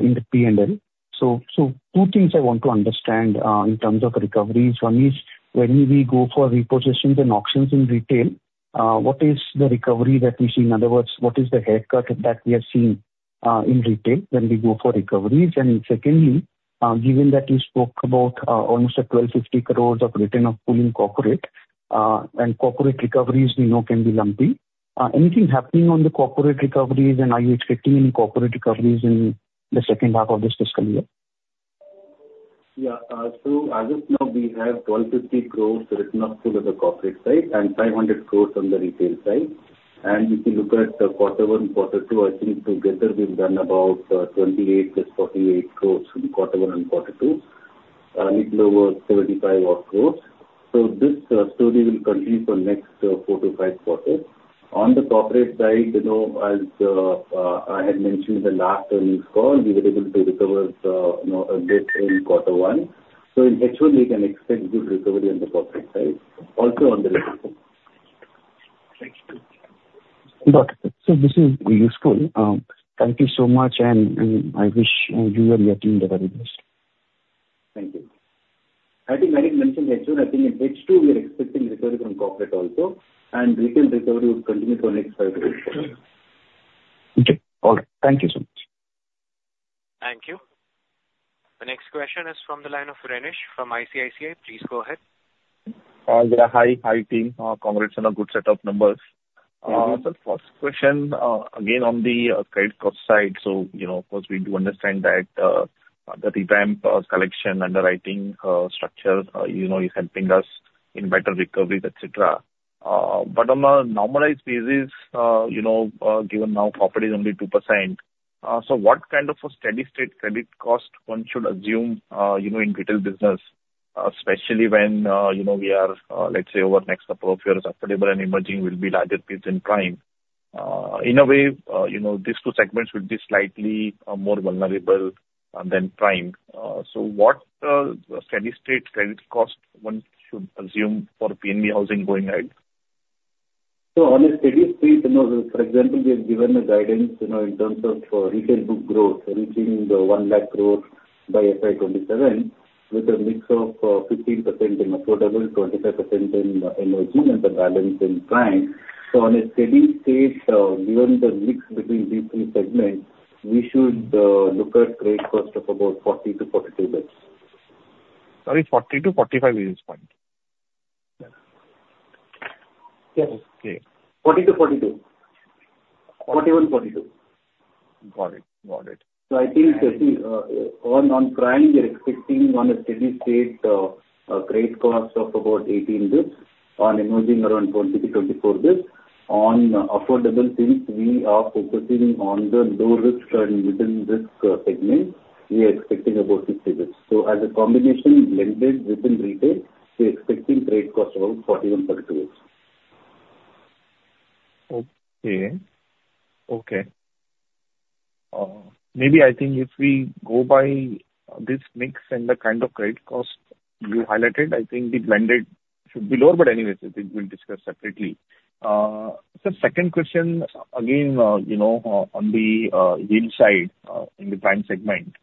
in the P&L. So two things I want to understand in terms of recoveries. One is, when we go for repossessions and auctions in retail, what is the recovery that we see? In other words, what is the haircut that we are seeing in retail when we go for recoveries? And secondly, given that you spoke about almost 1,250 crores of recovery in corporate, and corporate recoveries we know can be lumpy. Anything happening on the corporate recoveries, and are you expecting any corporate recoveries in the second half of this fiscal year? Yeah. So as of now, we have 1,250 crores recovery in full on the corporate side, and 500 crores on the retail side. And if you look at quarter one, quarter two, I think together we've done about 28+ 48 crores from quarter one and quarter two, a little over 75-odd crores. So this story will continue for next four to five quarters. On the corporate side, you know, as I had mentioned in the last earnings call, we were able to recover you know, a debt in quarter one. So in H2, we can expect good recovery on the corporate side, also on the retail. Thank you. Got it. So this is useful. Thank you so much, and I wish you and your team the very best. Thank you. I think I had mentioned H2, I think in H2, we are expecting recovery from corporate also, and retail recovery will continue for next 5-6 quarters. Okay. All right. Thank you so much.... Thank you. The next question is from the line of Renish from ICICI. Please go ahead. Yeah, hi, hi, team. Congrats on a good set of numbers. So first question, again, on the credit cost side. So, you know, of course, we do understand that, the revamp of collection, underwriting, structure, you know, is helping us in better recoveries, et cetera. But on a normalized basis, you know, given now property is only 2%, so what kind of a steady state credit cost one should assume, you know, in retail business, especially when, you know, we are, let's say, over next couple of years, Affordable and Emerging will be larger piece than Prime. In a way, you know, these two segments will be slightly more vulnerable than Prime. So what steady state credit cost one should assume for PNB Housing going ahead? So on a steady state, you know, for example, we have given a guidance, you know, in terms of, retail book growth reaching the 1 lakh growth by FY 2027, with a mix of, 15% in Affordable, 25% in Emerging, and the balance in Prime. So on a steady state, given the mix between these three segments, we should, look at credit cost of about 40-42 basis points. Sorry, 40-45 basis points? Yes. Okay. 40 to 42. 41, 42. Got it. Got it. I think on Prime we are expecting, on a steady state, a credit cost of about 18 basis points, on Emerging around 20-24 basis points. On Affordable, since we are focusing on the low risk and within risk segment, we are expecting about 60 basis points. As a combination blended within retail, we are expecting credit cost around 41-42 basis points. Okay. Maybe I think if we go by this mix and the kind of credit cost you highlighted, I think the blended should be lower, but anyways, I think we'll discuss separately. Second question, again, you know, on the yield side, in the Prime segment.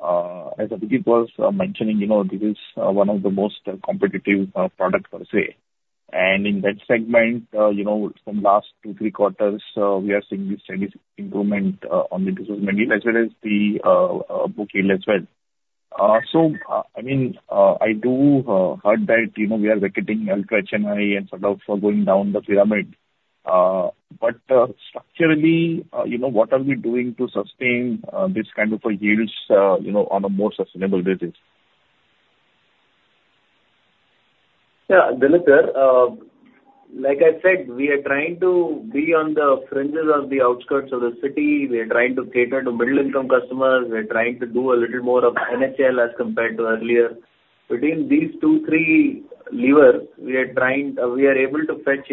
As Abhijit was mentioning, you know, this is one of the most competitive product per se. In that segment, you know, from last two, three quarters, we are seeing this steady improvement on the disbursal as well as the book yield as well. I mean, I do heard that, you know, we are vacating ultra HNI and sort of going down the pyramid. But, structurally, you know, what are we doing to sustain this kind of a yields, you know, on a more sustainable basis? Yeah, Dilip, like I said, we are trying to be on the fringes of the outskirts of the city. We are trying to cater to middle income customers. We are trying to do a little more of NHL as compared to earlier. Between these two, three levers, we are trying to fetch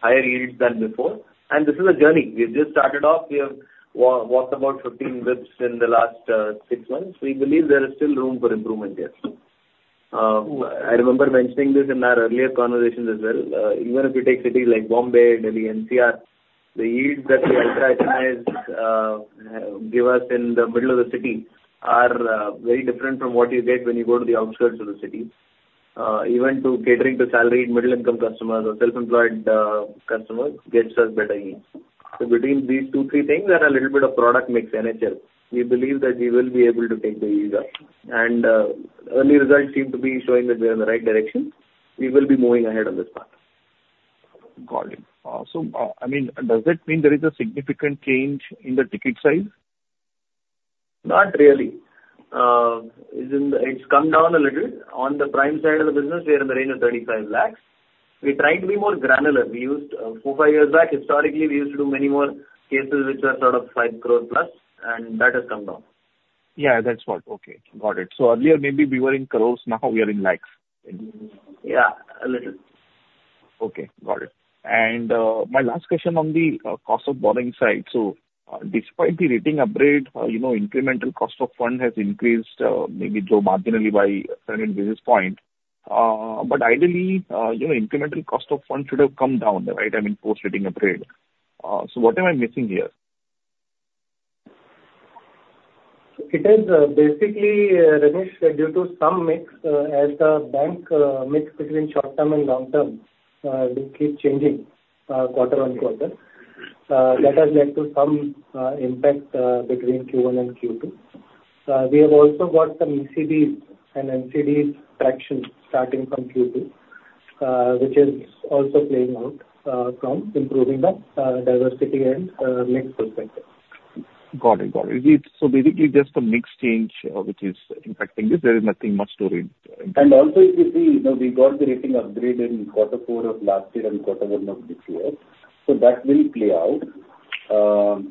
higher yields than before, and this is a journey. We've just started off. We have walked about 15 basis in the last six months. We believe there is still room for improvement here. I remember mentioning this in our earlier conversations as well. Even if you take cities like Bombay, Delhi, NCR, the yields that the ultra HNIs give us in the middle of the city are very different from what you get when you go to the outskirts of the city. Even to catering to salaried middle income customers or self-employed customers gets us better yields. So between these two, three things and a little bit of product mix, NHL, we believe that we will be able to take the yields up. And early results seem to be showing that we are in the right direction. We will be moving ahead on this path. Got it. So, I mean, does that mean there is a significant change in the ticket size? Not really. It's in the... It's come down a little. On the Prime side of the business, we are in the range of 35 lakhs. We're trying to be more granular. We used, four, five years back, historically, we used to do many more cases which are sort of 5 crore plus, and that has come down. Yeah, that's what. Okay, got it. So earlier, maybe we were in crores, now we are in lakhs. Yeah, a little. Okay, got it. And, my last question on the, cost of borrowing side. So, despite the rating upgrade, you know, incremental cost of fund has increased, maybe though marginally by seven basis point. But ideally, you know, incremental cost of fund should have come down, right? I mean, post rating upgrade. So what am I missing here? It is basically, Renish, due to some mix as the bank mix between short term and long term. This keeps changing quarter on quarter. That has led to some impact between Q1 and Q2. We have also got some ECB and NCD traction starting from Q2, which is also playing out from improving the diversity and mix perspective. Got it. Got it. So basically, just a mix change, which is impacting this. There is nothing much to re- And also, if you see, you know, we got the rating upgrade in quarter four of last year and quarter one of this year. So that will play out.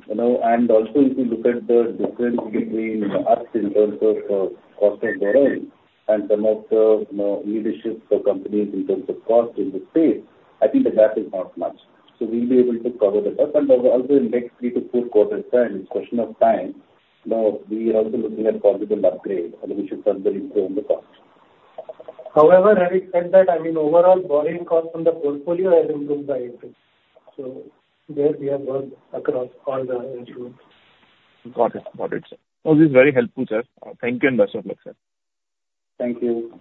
You know, and also, if you look at the difference between us in terms of cost of borrowing and some of the, you know, leadership companies in terms of cost in the space, I think the gap is not much. So we'll be able to cover the gap and also in next 3-4 quarter time, it's question of time. Now, we are also looking at possible upgrade, and we should further improve the cost. However, having said that, I mean, overall borrowing cost on the portfolio has improved by eight basis points. So there we have worked across all the groups. Got it. Got it, sir. No, this is very helpful, sir. Thank you, and best of luck, sir. Thank you.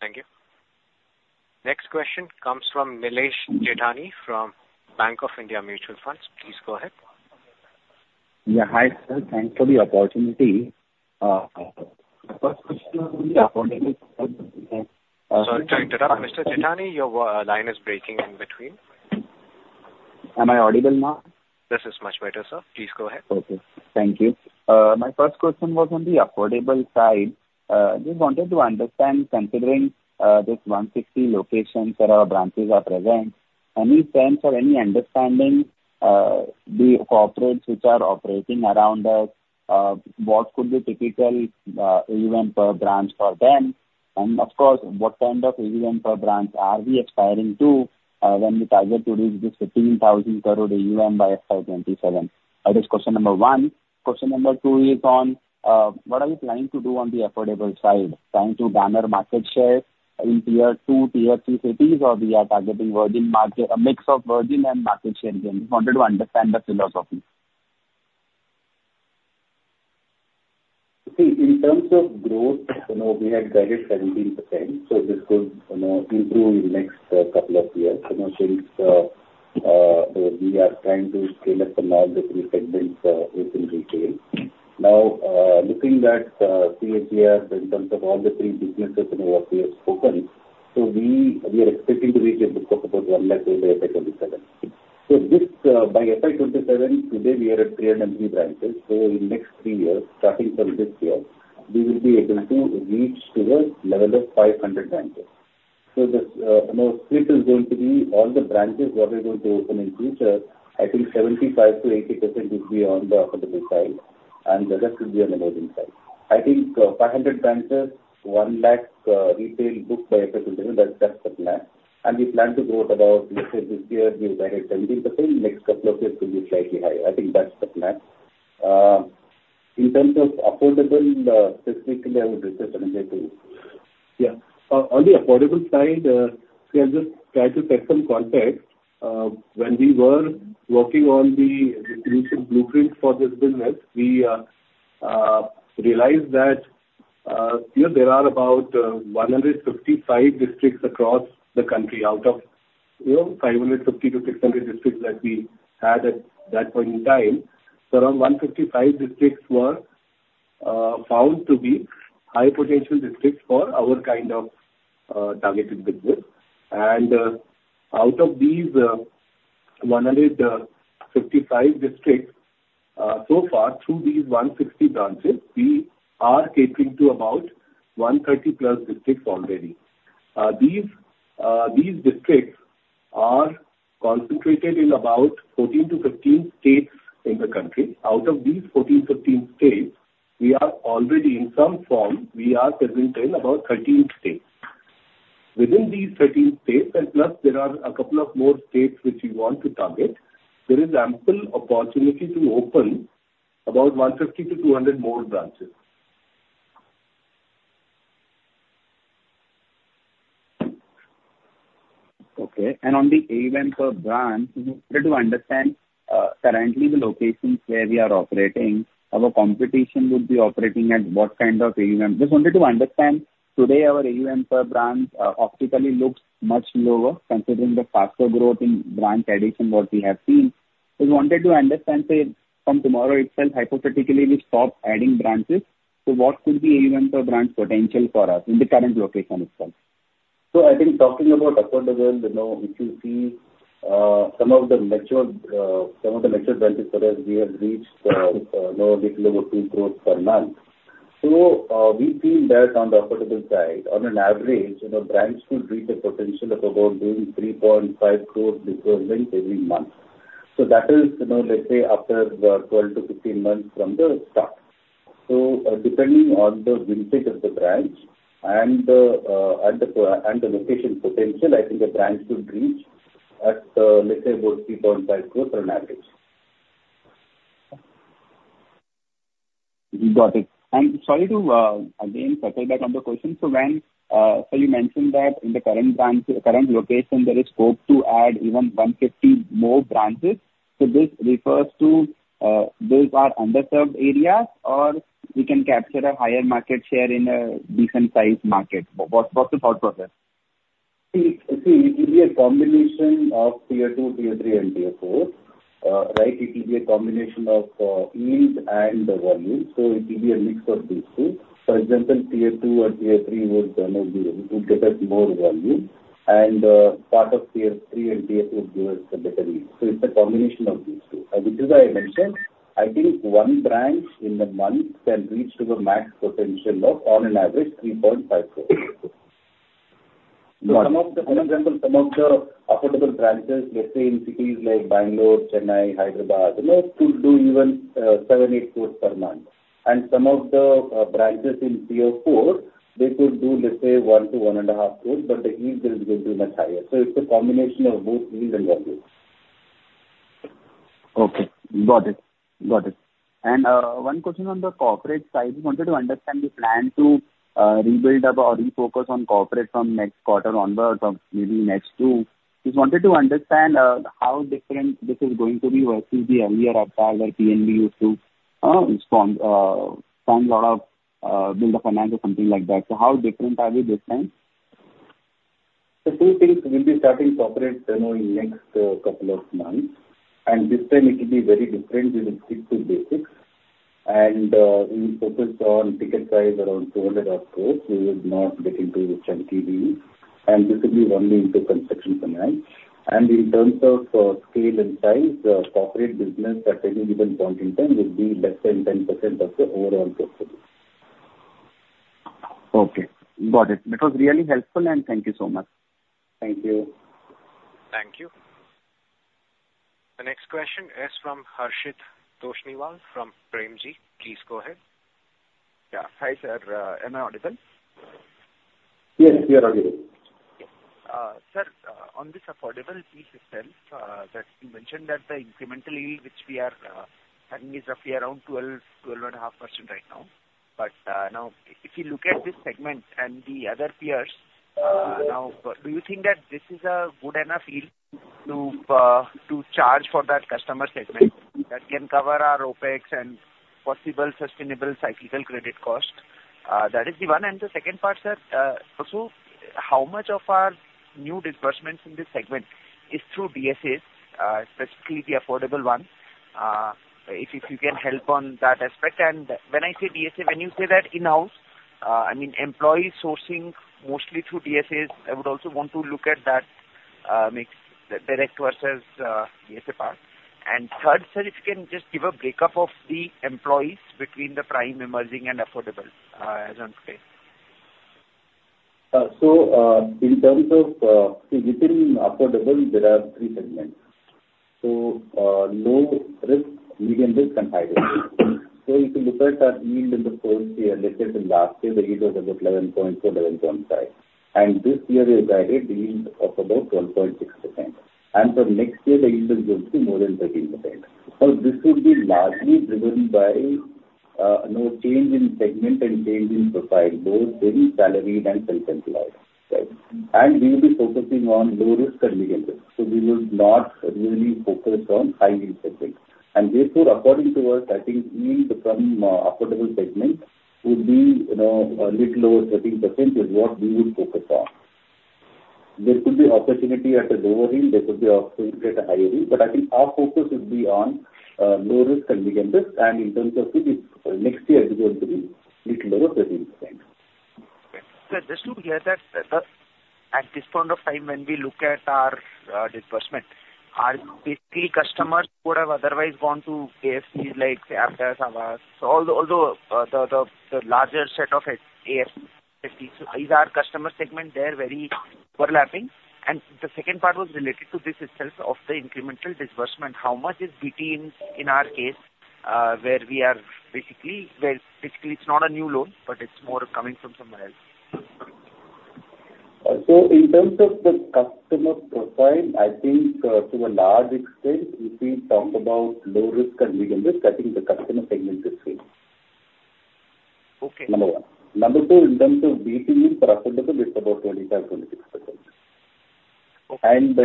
Thank you. Next question comes from Nilesh Jethani, from Bank of India Mutual Fund. Please go ahead. Yeah. Hi, sir. Thanks for the opportunity. Sorry to interrupt, Mr. Jethani. Your line is breaking in between. Am I audible now? This is much better, sir. Please go ahead. Okay. Thank you. My first question was on the Affordable side. Just wanted to understand, considering this 160 locations that our branches are present, any sense or any understanding, the corporates which are operating around us, what could be typical AUM per branch for them? And of course, what kind of AUM per branch are we aspiring to, when we target to reach this 15,000 crore AUM by FY 2027? That is question number one. Question number two is on, what are you planning to do on the Affordable side? Planning to garner market share in tier II, tier III cities, or we are targeting virgin market, a mix of virgin and market share gain? Just wanted to understand the philosophy. See, in terms of growth, you know, we had guided 17%, so this could, you know, improve in next couple of years. You know, since we are trying to scale up in all the three segments within retail. Now looking at CAGR in terms of all the three businesses, you know, what we have spoken, so we are expecting to reach a book of about one lakh by FY 2027. So this by FY 2027, today, we are at 303 branches, so in next three years, starting from this year, we will be able to reach to the level of 500 branches. So this, you know, split is going to be all the branches what we're going to open in future. I think 75%-80% will be on the Affordable side, and the rest will be on the Emerging side. I think 500 branches, 1 lakh retail book by FY 2027. That's the plan. And we plan to grow at about, let's say, this year, we were at 17%, next couple of years will be slightly higher. I think that's the plan. In terms of Affordable, specifically, I would request Anuj to... Yeah. On the Affordable side, we have just tried to set some context. When we were working on the distribution blueprint for this business, we realized that, you know, there are about 155 districts across the country, out of, you know, 550-600 districts that we had at that point in time. So around 155 districts were found to be high potential districts for our kind of targeted business. And out of these 155 districts, so far, through these 160 branches, we are catering to about 130-plus districts already. These districts are concentrated in about 14-15 states in the country. Out of these 14-15 states, we are already in some form, we are present in about 13 states. Within these 13 states, and plus there are a couple of more states which we want to target, there is ample opportunity to open about 150-200 more branches. Okay. And on the AUM per branch, just wanted to understand, currently the locations where we are operating, our competition would be operating at what kind of AUM? Just wanted to understand, today, our AUM per branch, optically looks much lower, considering the faster growth in branch addition what we have seen. Just wanted to understand, say, from tomorrow itself, hypothetically, we stop adding branches, so what could be AUM per branch potential for us in the current location itself? I think talking about Affordable, you know, if you see some of the mature branches where we have reached, you know, a little over two crores per month. We've seen that on the Affordable side, on average, you know, branches could reach a potential of about doing 3.5 crores disbursements every month. That is, you know, let's say after 12-15 months from the start. Depending on the vintage of the branch and the location potential, I think the branch should reach at, let's say, about 3.5 crores on average. Got it. Sorry to again circle back on the question. So you mentioned that in the current branch, current location, there is scope to add even 150 more branches. So this refers to those are underserved areas, or we can capture a higher market share in a different size market? What’s the thought process? See, it will be a combination of tier II, tier III and tier IV, right? It will be a combination of yield and the volume, so it will be a mix of these two. For example, tier II or tier III would maybe get us more volume, and part of tier III and tier IV give us a better yield. So it's a combination of these two. Which is why I mentioned, I think one branch in a month can reach to the max potential of, on an average, 3.5 crores. So some of the Affordable branches, for example, let's say in cities like Bangalore, Chennai, Hyderabad, you know, could do even 7-8 crores per month. And some of the branches in Tier IV, they could do, let's say, one to one and a half crores, but the yield is going to be much higher. So it's a combination of both yield and volume. Okay, got it. Got it. And, one question on the corporate side. Just wanted to understand the plan to, rebuild up or refocus on corporate from next quarter onwards or maybe next two. Just wanted to understand, how different this is going to be versus the earlier approach where PNB used to-... it's from lot of builder finance or something like that. So how different are you this time? Two things, we'll be starting to operate, you know, in next couple of months, and this time it will be very different. We will stick to basics, and we focused on ticket size around 200-odd crores. We will not get into chunk PD, and this will be only into construction finance, and in terms of scale and size, corporate business at any given point in time will be less than 10% of the overall portfolio. Okay, got it. That was really helpful, and thank you so much. Thank you. Thank you. The next question is from Harshit Toshniwal from Premji Invest. Please go ahead. Yeah. Hi, sir. Am I audible? Yes, you are audible. Sir, on this Affordable piece itself, that you mentioned that the incremental yield, which we are having, is roughly around 12-12.5% right now. But now, if you look at this segment and the other peers, now, do you think that this is a good enough yield to charge for that customer segment that can cover our OPEX and possible sustainable cyclical credit cost? That is the one. And the second part, sir, also, how much of our new disbursements in this segment is through DSAs, specifically the Affordable one? If you can help on that aspect. And when I say DSA, when you say that in-house, I mean employee sourcing mostly through DSAs, I would also want to look at that mix, the direct versus DSA part. And third, sir, if you can just give a breakup of the employees between the Prime, Emerging, and Affordable, as on today. In terms of, see, within Affordable there are three segments. So, low risk, medium risk, and high risk. So if you look at our yield in the first year, let's say in last year, the yield was about 11.2, 11.5, and this year we have guided yield of about 12.6%. And for next year, the yield is going to be more than 13%. So this will be largely driven by, you know, change in segment and change in profile, both salaried and self-employed, right? And we will be focusing on low risk and medium risk, so we will not really focus on high risk segments. And therefore, according to us, I think yield from, Affordable segment would be, you know, a little lower, 13% is what we would focus on. There could be opportunity at a lower yield, there could be opportunity at a higher yield, but I think our focus would be on low risk and medium risk, and in terms of the next year, it is going to be little lower, 13%. Sir, just to hear that, at this point of time, when we look at our disbursement, are basically customers who would have otherwise gone to HFCs, like, say, after some hours. So although the larger set of HFCs, our customer segment, they're very overlapping. And the second part was related to this itself, of the incremental disbursement. How much is between, in our case, where we are basically, where basically it's not a new loan, but it's more coming from somewhere else? So in terms of the customer profile, I think, to a large extent, if we talk about low risk and medium risk, I think the customer segment is same. Okay. Number one. Number two, in terms of BT, percentage is about 25%-26%. Okay. And,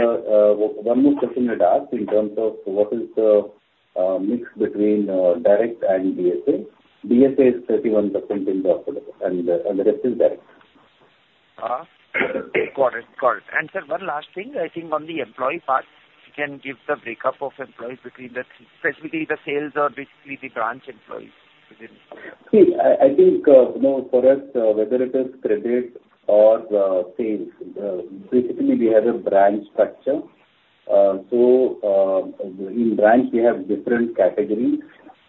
one more question I'd ask in terms of what is the mix between direct and DSA? DSA is 31% in Affordable and the rest is direct. Got it. Got it. And sir, one last thing, I think on the employee part, you can give the breakup of employees between the, specifically the sales or basically the branch employees within. See, I, I think, you know, for us, whether it is credit or sales, basically, we have a branch structure. So in branch we have different categories,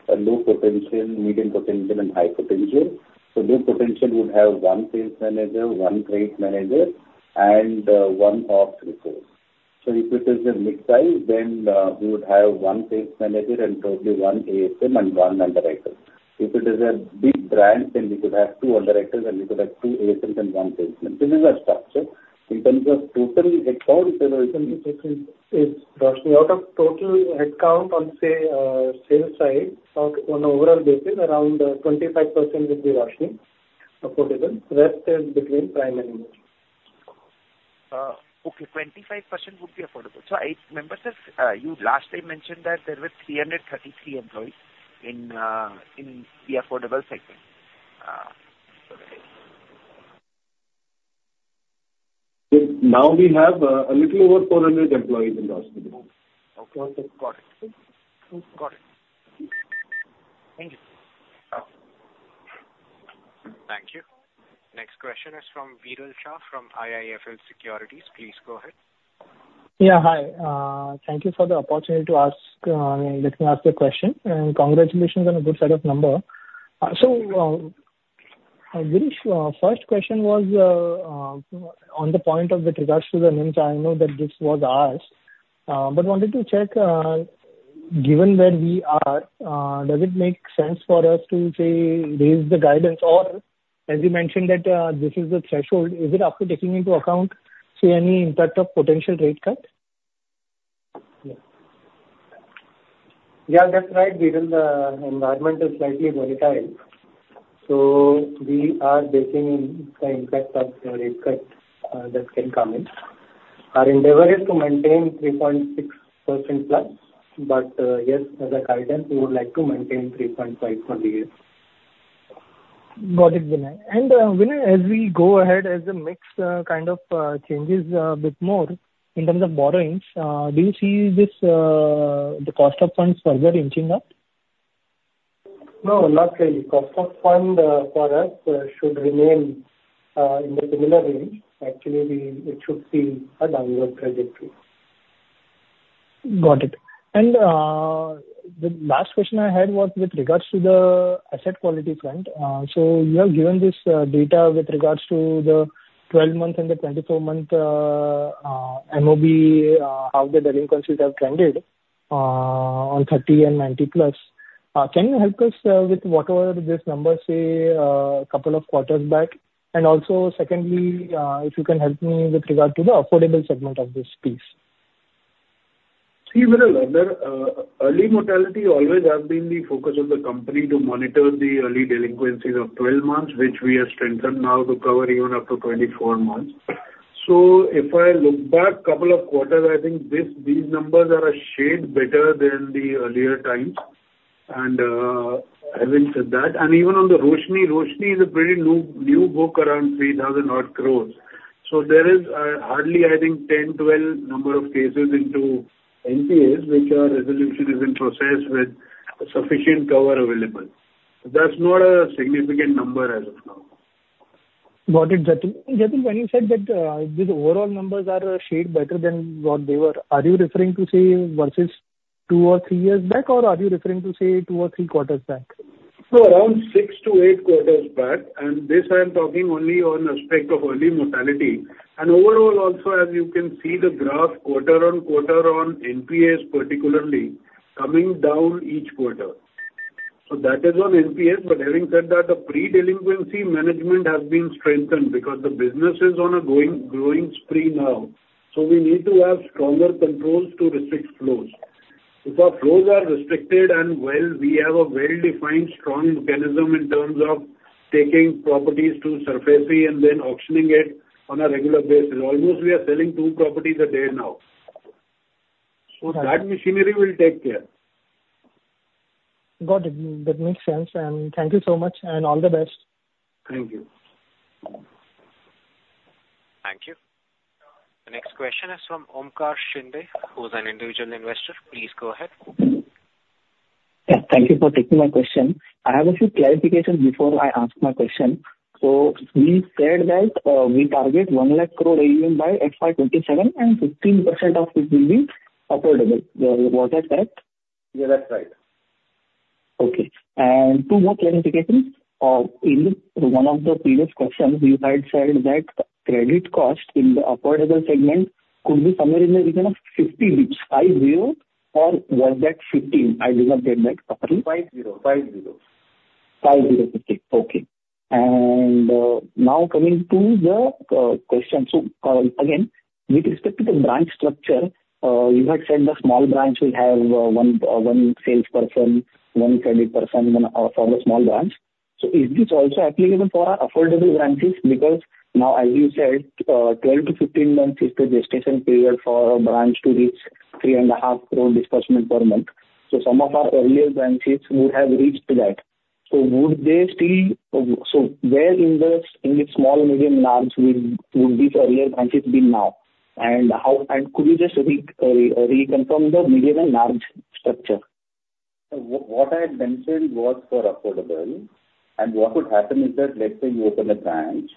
low potential, medium potential, and high potential. Low potential would have one sales manager, one credit manager, and one ops rep. If it is a mid-size, then we would have one sales manager and probably one ASM and one underwriter. If it is a big branch, then we could have two underwriters and we could have two ASMs and one salesman. This is our structure. In terms of total headcount, Out of total headcount on, say, sales side, on overall basis, around 25% would be Roshni, Affordable. Rest is between Prime and Emerging. Okay, 25% would be Affordable. So I remember, sir, you last time mentioned that there were 333 employees in the Affordable segment. Now we have a little over 400 employees in Roshni. Okay. Got it. Got it. Thank you. Thank you. Next question is from Viral Shah, from IIFL Securities. Please go ahead. Yeah, hi. Thank you for the opportunity to ask. Let me ask the question, and congratulations on a good set of number. So, I'm very sure first question was on the point of with regards to the NIM. I know that this was asked, but wanted to check, given where we are, does it make sense for us to, say, raise the guidance? Or as you mentioned, that this is the threshold, is it after taking into account, say, any impact of potential rate cut? Yeah, that's right, Viral, the environment is slightly volatile. ... So we are factoring in the impact of the rate cut that can come in. Our endeavor is to maintain 3.6%+, but yes, as a guidance, we would like to maintain 3.5% for the year. Got it, Vinay. And, Vinay, as we go ahead, as the mix, kind of, changes, a bit more in terms of borrowings, do you see this, the cost of funds further inching up? No, not really. Cost of fund, for us, should remain in the similar range. Actually, we, it should see a downward trajectory. Got it. And, the last question I had was with regards to the asset quality front. So you have given this data with regards to the 12 month and the 24 month MOB, how the delinquencies have trended on 30 and 90+. Can you help us with whatever this number, say, couple of quarters back? And also, secondly, if you can help me with regard to the Affordable segment of this piece. See, Viral, the early mortality always has been the focus of the company to monitor the early delinquencies of 12 months, which we have strengthened now to cover even up to 24 months, so if I look back a couple of quarters, I think these numbers are a shade better than the earlier times, and having said that, and even on the Roshni. Roshni is a pretty new book, around 3,000-odd crores. So there is hardly, I think, 10, 12 number of cases into NPAs, which our resolution is in process with sufficient cover available. That's not a significant number as of now. Got it, Jatin. Jatin, when you said that, these overall numbers are a shade better than what they were, are you referring to, say, versus two or three years back, or are you referring to, say, two or three quarters back? Around 6-8quarters back, and this I am talking only on aspect of early mortality. Overall also, as you can see the graph quarter on quarter on NPAs, particularly, coming down each quarter. That is on NPAs, but having said that, the pre-delinquency management has been strengthened because the business is on a growing, growing spree now. We need to have stronger controls to restrict flows. If our flows are restricted and well, we have a well-defined strong mechanism in terms of taking properties to surface and then auctioning it on a regular basis. Almost, we are selling two properties a day now. That machinery will take care. Got it. That makes sense, and thank you so much, and all the best. Thank you. Thank you. The next question is from Omkar Shinde, who's an individual investor. Please go ahead. Yeah, thank you for taking my question. I have a few clarifications before I ask my question. So we said that, we target one lakh crore revenue by FY 2027, and 15% of it will be Affordable. Was that correct? Yeah, that's right. Okay, and two more clarifications. In one of the previous questions, you had said that credit cost in the Affordable segment could be somewhere in the region of 50, which five-zero, or was that 15? I did not get that properly. Five-zero. Five-zero. Five-zero. Okay. And now coming to the question. So again, with respect to the branch structure, you had said the small branch will have one salesperson, one credit person for the small branch. So is this also applicable for our Affordable branches? Because now, as you said, 12-15 months is the gestation period for a branch to reach 3.5 crore disbursement per month. So some of our earlier branches would have reached that. So would they still? So where in the small, medium, large would these earlier branches be now? And how, and could you just reconfirm the medium and large structure? What I had mentioned was for Affordable, and what would happen is that, let's say you open a branch,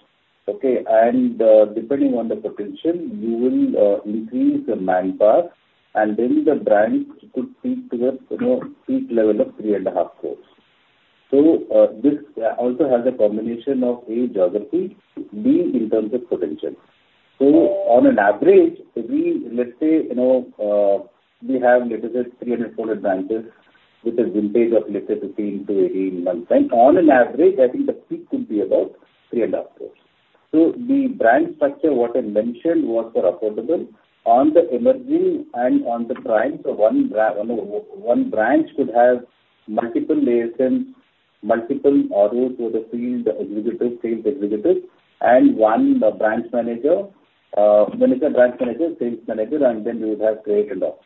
okay? And, depending on the potential, you will increase the manpower, and then the branch could seek to get, you know, peak level of 3.5 crores. This also has a combination of, A, geography, B, in terms of potential. On an average, we, let's say, you know, we have let us say 300 branches, with a vintage of let us say between 2-18 months, and on an average, I think the peak could be about 3.5 crores. The branch structure, what I mentioned, was for Affordable. On the Emerging and on the Prime, so one branch could have multiple liaisons, multiple AOs for the field executive, sales executive, and one branch manager, when it's a branch manager, sales manager, and then you would have team and others.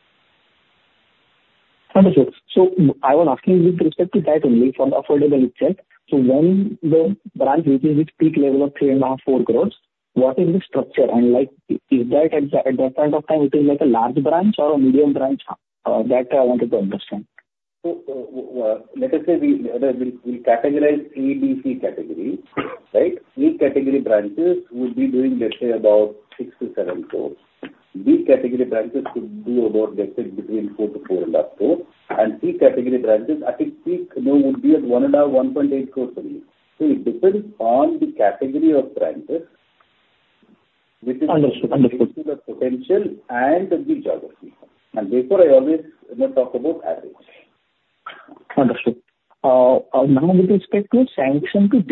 Understood. So I was asking with respect to that only, from the Affordable segment. So when the branch reaches its peak level of 3.5, four crores, what is the structure? And, like, is that at that point of time, it is like a large branch or a medium branch? That I wanted to understand. So, let us say we categorize ABC category, right? A category branches would be doing, let's say, about 6-7 crores. B category branches could be about, let's say, between 4-4.5 crores. And C category branches at its peak, you know, would be at 1.5-1.8 crores only. So it depends on the category of branches, which is- Understood. Understood. Related to the potential and the geography, and therefore I always, you know, talk about average. Understood. Now with respect to sanction to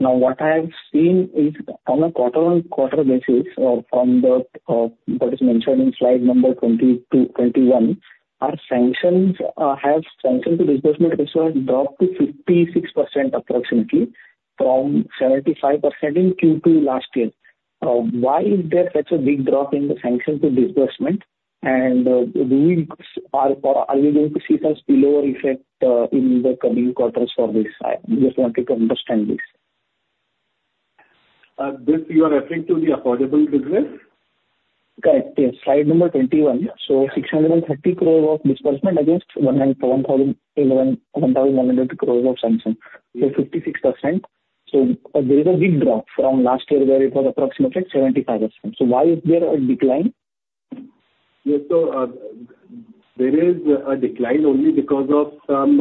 disbursements, what I have seen is on a quarter on quarter basis or from what is mentioned in slide number 20-21, our sanction to disbursement ratio has dropped to 56% approximately from 75% in Q2 last year. Why is there such a big drop in the sanction to disbursement? And are we going to see such lower effect in the coming quarters for this? I just wanted to understand this. You are referring to the Affordable business? Correct. Yes. Slide number 21. So 630 crore of disbursement against 1,111 crore of sanction. So 56%. So there is a big drop from last year, where it was approximately 75%. So why is there a decline? Yes, so, there is a decline only because of some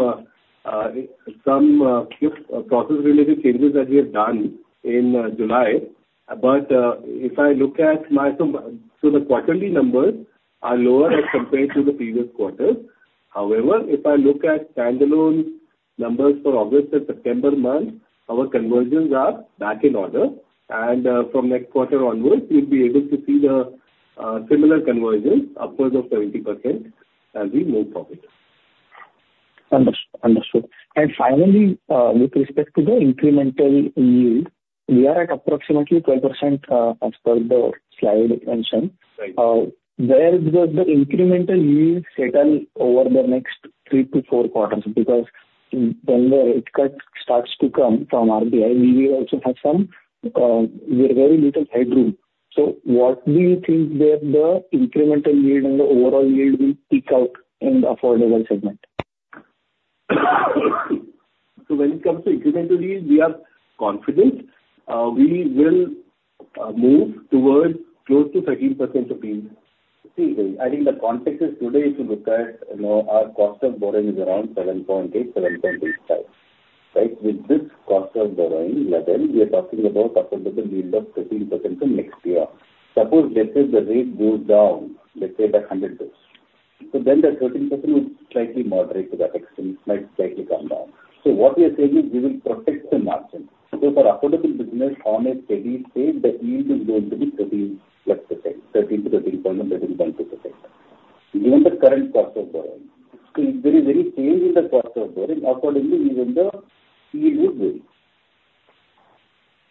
process-related changes that we have done in July. But, if I look at my, so the quarterly numbers are lower as compared to the previous quarters. However, if I look at standalone numbers for August and September month, our conversions are back in order, and, from next quarter onwards, you'll be able to see the similar conversions upwards of 70% as we move forward. Understood, understood. And finally, with respect to the incremental yield, we are at approximately 10%, as per the slide mentioned. Right. Where does the incremental yield settle over the next three to four quarters? Because when the rate cut starts to come from RBI, we will also have some, we have very little headroom. So what do you think that the incremental yield and the overall yield will peak out in the Affordable segment? So when it comes to incremental yield, we are confident. We will move towards close to 13% yield. See, I think the context is today, if you look at, you know, our cost of borrowing is around 7.8, 7.85, right? With this cost of borrowing level, we are talking about Affordable yield of 13% in next year. Suppose, let's say, the rate goes down, let's say, by hundred basis points, so then the 13% will slightly moderate to that extent, might slightly come down. So what we are saying is, we will protect the margin. So for Affordable business on a steady state, the yield is going to be 13%+, 13 to the 13.0 point, 13.2%, given the current cost of borrowing. If there is any change in the cost of borrowing, accordingly, the yield will vary.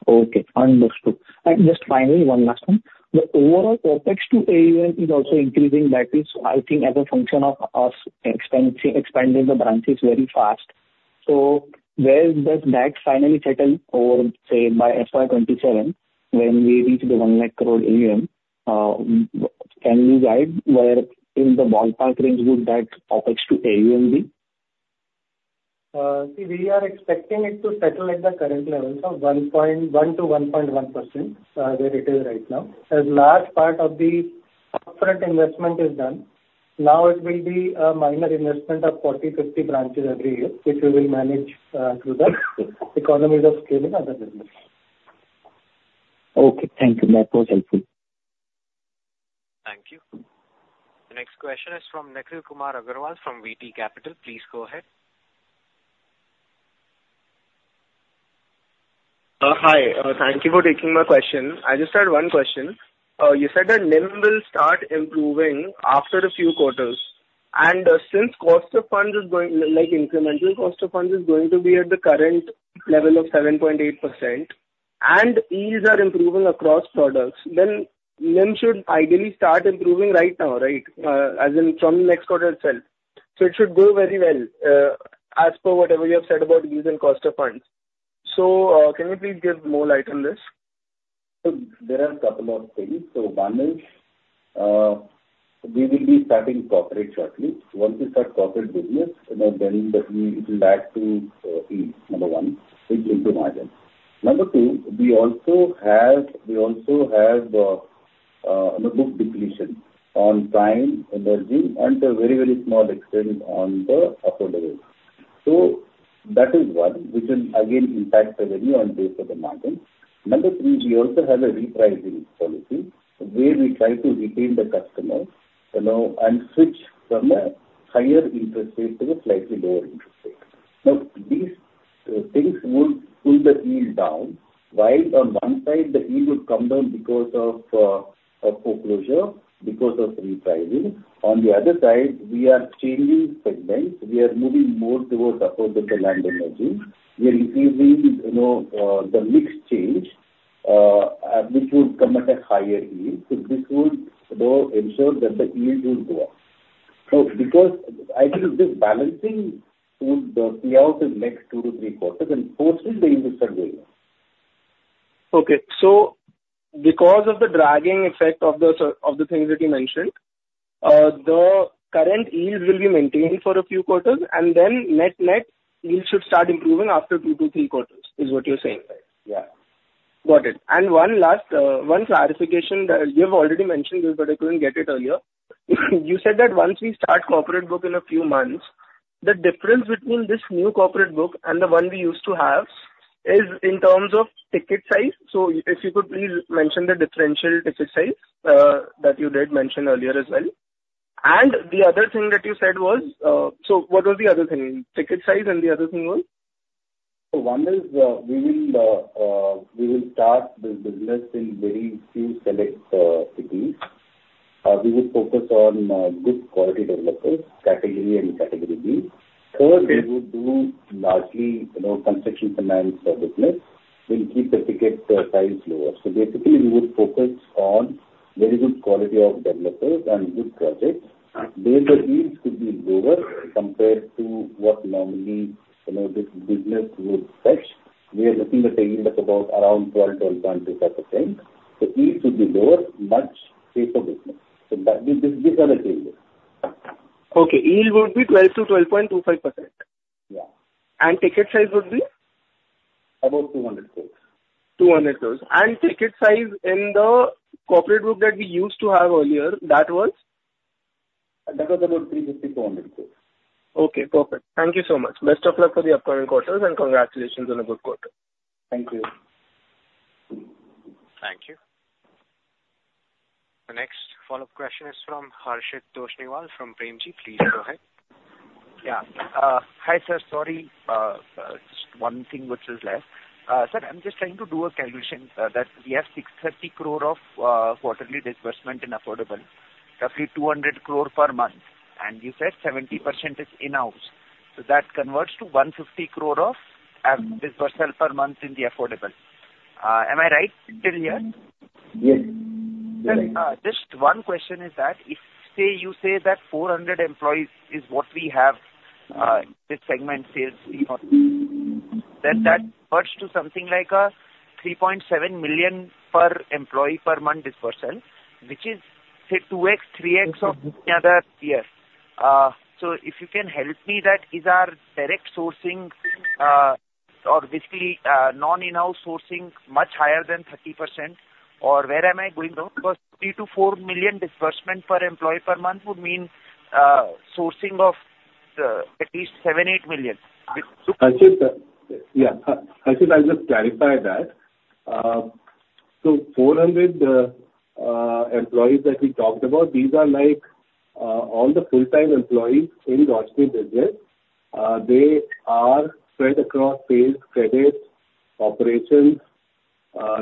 Okay, understood. And just finally, one last one. The overall OPEX to AUM is also increasing. That is, I think, as a function of us expanding the branches very fast. So where does that finally settle, or say, by FY 2027, when we reach the one lakh crore AUM? Can you guide where in the ballpark range would that OPEX to AUM be? See, we are expecting it to settle at the current levels of 1.1%- 1.1%, where it is right now. A large part of the upfront investment is done, now it will be a minor investment of 40-50 branches every year, which we will manage through the economies of scale in other business. Okay, thank you. That was helpful. Thank you. The next question is from Nikhil Kumar Agarwal, from VT Capital. Please go ahead. Hi, thank you for taking my question. I just had one question. You said that NIM will start improving after a few quarters, and since cost of funds is going, like, incremental cost of funds is going to be at the current level of 7.8%, and yields are improving across products, then NIM should ideally start improving right now, right? As in from the next quarter itself. So it should do very well, as per whatever you have said about yields and cost of funds. So, can you please shed more light on this? So there are a couple of things. One is, we will be starting corporate shortly. Once we start corporate business, you know, then that we, it will add to yield. Number one, it will improve margin. Number two, we also have on-book depletion on tenure and yield, and to a very, very small extent, on the Affordable. So that is one, which will again impact the revenue and base of the margin. Number three, we also have a repricing policy, where we try to retain the customer, you know, and switch from a higher interest rate to a slightly lower interest rate. Now, these things would pull the yield down. While on one side, the yield would come down because of a foreclosure, because of repricing. On the other side, we are changing segments. We are moving more towards Affordable and Emerging. We are increasing, you know, the mix change, which would come at a higher yield. So this would, you know, ensure that the yield will go up. So because I think this balancing would play out in next 2-3quarters, and hopefully the interest rates are going up. Okay, so because of the dragging effect of the things that you mentioned, the current yields will be maintained for a few quarters, and then net net yields should start improving after 2-3 quarters, is what you're saying, right? Yeah. Got it. And one last, one clarification that you have already mentioned this, but I couldn't get it earlier. You said that once we start corporate book in a few months, the difference between this new corporate book and the one we used to have is in terms of ticket size. So if you could please mention the differential ticket size, that you did mention earlier as well. And the other thing that you said was, so what was the other thing? Ticket size, and the other thing was? So one is, we will start this business in very few select cities. We would focus on good quality developers, Category A and Category B. Third, we would do largely, you know, construction finance business. We'll keep the ticket size lower. So basically, we would focus on very good quality of developers and good projects. There, the yields could be lower compared to what normally, you know, this business would fetch. We are looking at a yield of about around 12, 12.25%. The yield should be lower, much safer business. So that, these are the changes. Okay. Yield would be 12-12.25%? Yeah. And ticket size would be? About 200 crores. 200 crores, and ticket size in the corporate group that we used to have earlier, that was? That was about INR 350-400 crore. Okay, perfect. Thank you so much. Best of luck for the upcoming quarters, and congratulations on a good quarter. Thank you. Thank you. The next follow-up question is from Harshit Toshniwal fromPremji Invest. Please go ahead. Yeah. Hi, sir. Sorry, just one thing which is left. Sir, I'm just trying to do a calculation, that we have 630 crore of quarterly disbursement in Affordable, roughly 200 crore per month, and you said 70% is in-house. So that converts to 150 crore of disbursement per month in the Affordable. Am I right till here? Yes, you're right. Then, just one question: is that if, say, you say that 400 employees is what we have, this segment sales force, then that works to something like 3.7 million per employee per month disbursal, which is say 2x, 3x of any other year. So if you can help me, is our direct sourcing, or basically non-in-house sourcing much higher than 30%, or where am I going wrong? Because 3-4 million disbursement per employee per month would mean sourcing of at least 7-8 million. Harshit, yeah. Harshit, I'll just clarify that. So four hundred employees that we talked about, these are like all the full-time employees in Roshni business. They are spread across sales, credit, operations,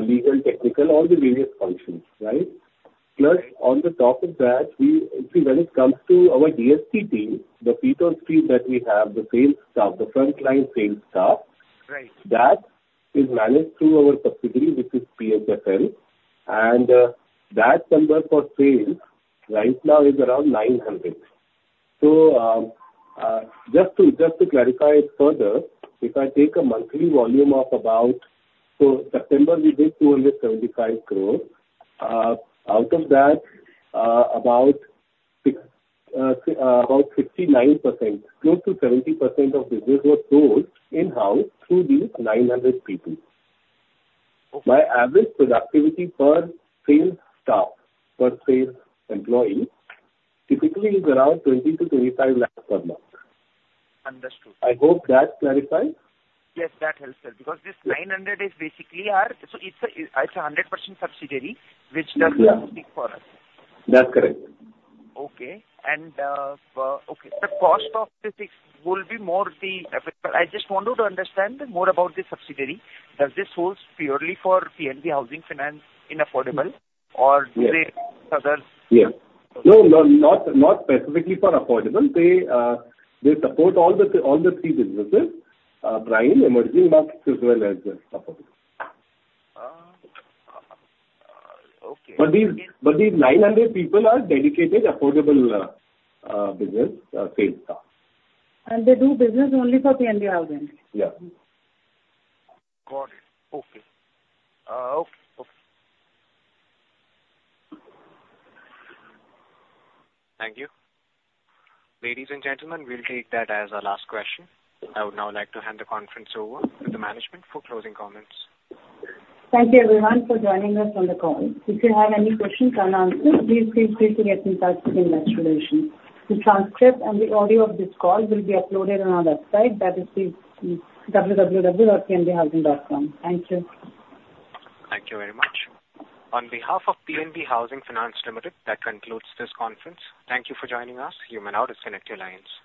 legal, technical, all the various functions, right? Plus, on the top of that, we... See, when it comes to our DSA team, the people stream that we have, the sales staff, the frontline sales staff- Right. that is managed through our subsidiary, which is PHFL, and that number for sales right now is around 900. So, just to clarify it further, if I take a monthly volume of about, so September we did 275 crore. Out of that, about 59%, close to 70% of business was sold in-house through these 900 people. Okay. My average productivity per sales staff, per sales employee, typically is around 20-25 lakhs per month. Understood. I hope that clarifies? Yes, that helps, sir, because this 900 is basically our... So it's a 100% subsidiary which does- Yeah. - speak for us. That's correct. Okay. And, okay, the cost of this will be more the... I just wanted to understand more about the subsidiary. Does this holds purely for PNB Housing Finance in Affordable, or- Yes. Do they other? Yes. No, no, not, not specifically for Affordable. They, they support all the, all the three businesses, Prime, Emerging markets, as well as Affordable. Ah, okay. These 900 people are dedicated Affordable business sales staff. They do business only for PNB Housing. Yeah. Got it. Okay. Thank you. Ladies and gentlemen, we'll take that as our last question. I would now like to hand the conference over to the management for closing comments. Thank you everyone for joining us on the call. If you have any questions unanswered, please feel free to get in touch with investor relations. The transcript and the audio of this call will be uploaded on our website, that is, www.pnbhousing.com. Thank you. Thank you very much. On behalf of PNB Housing Finance Limited, that concludes this conference. Thank you for joining us. You may now disconnect your lines.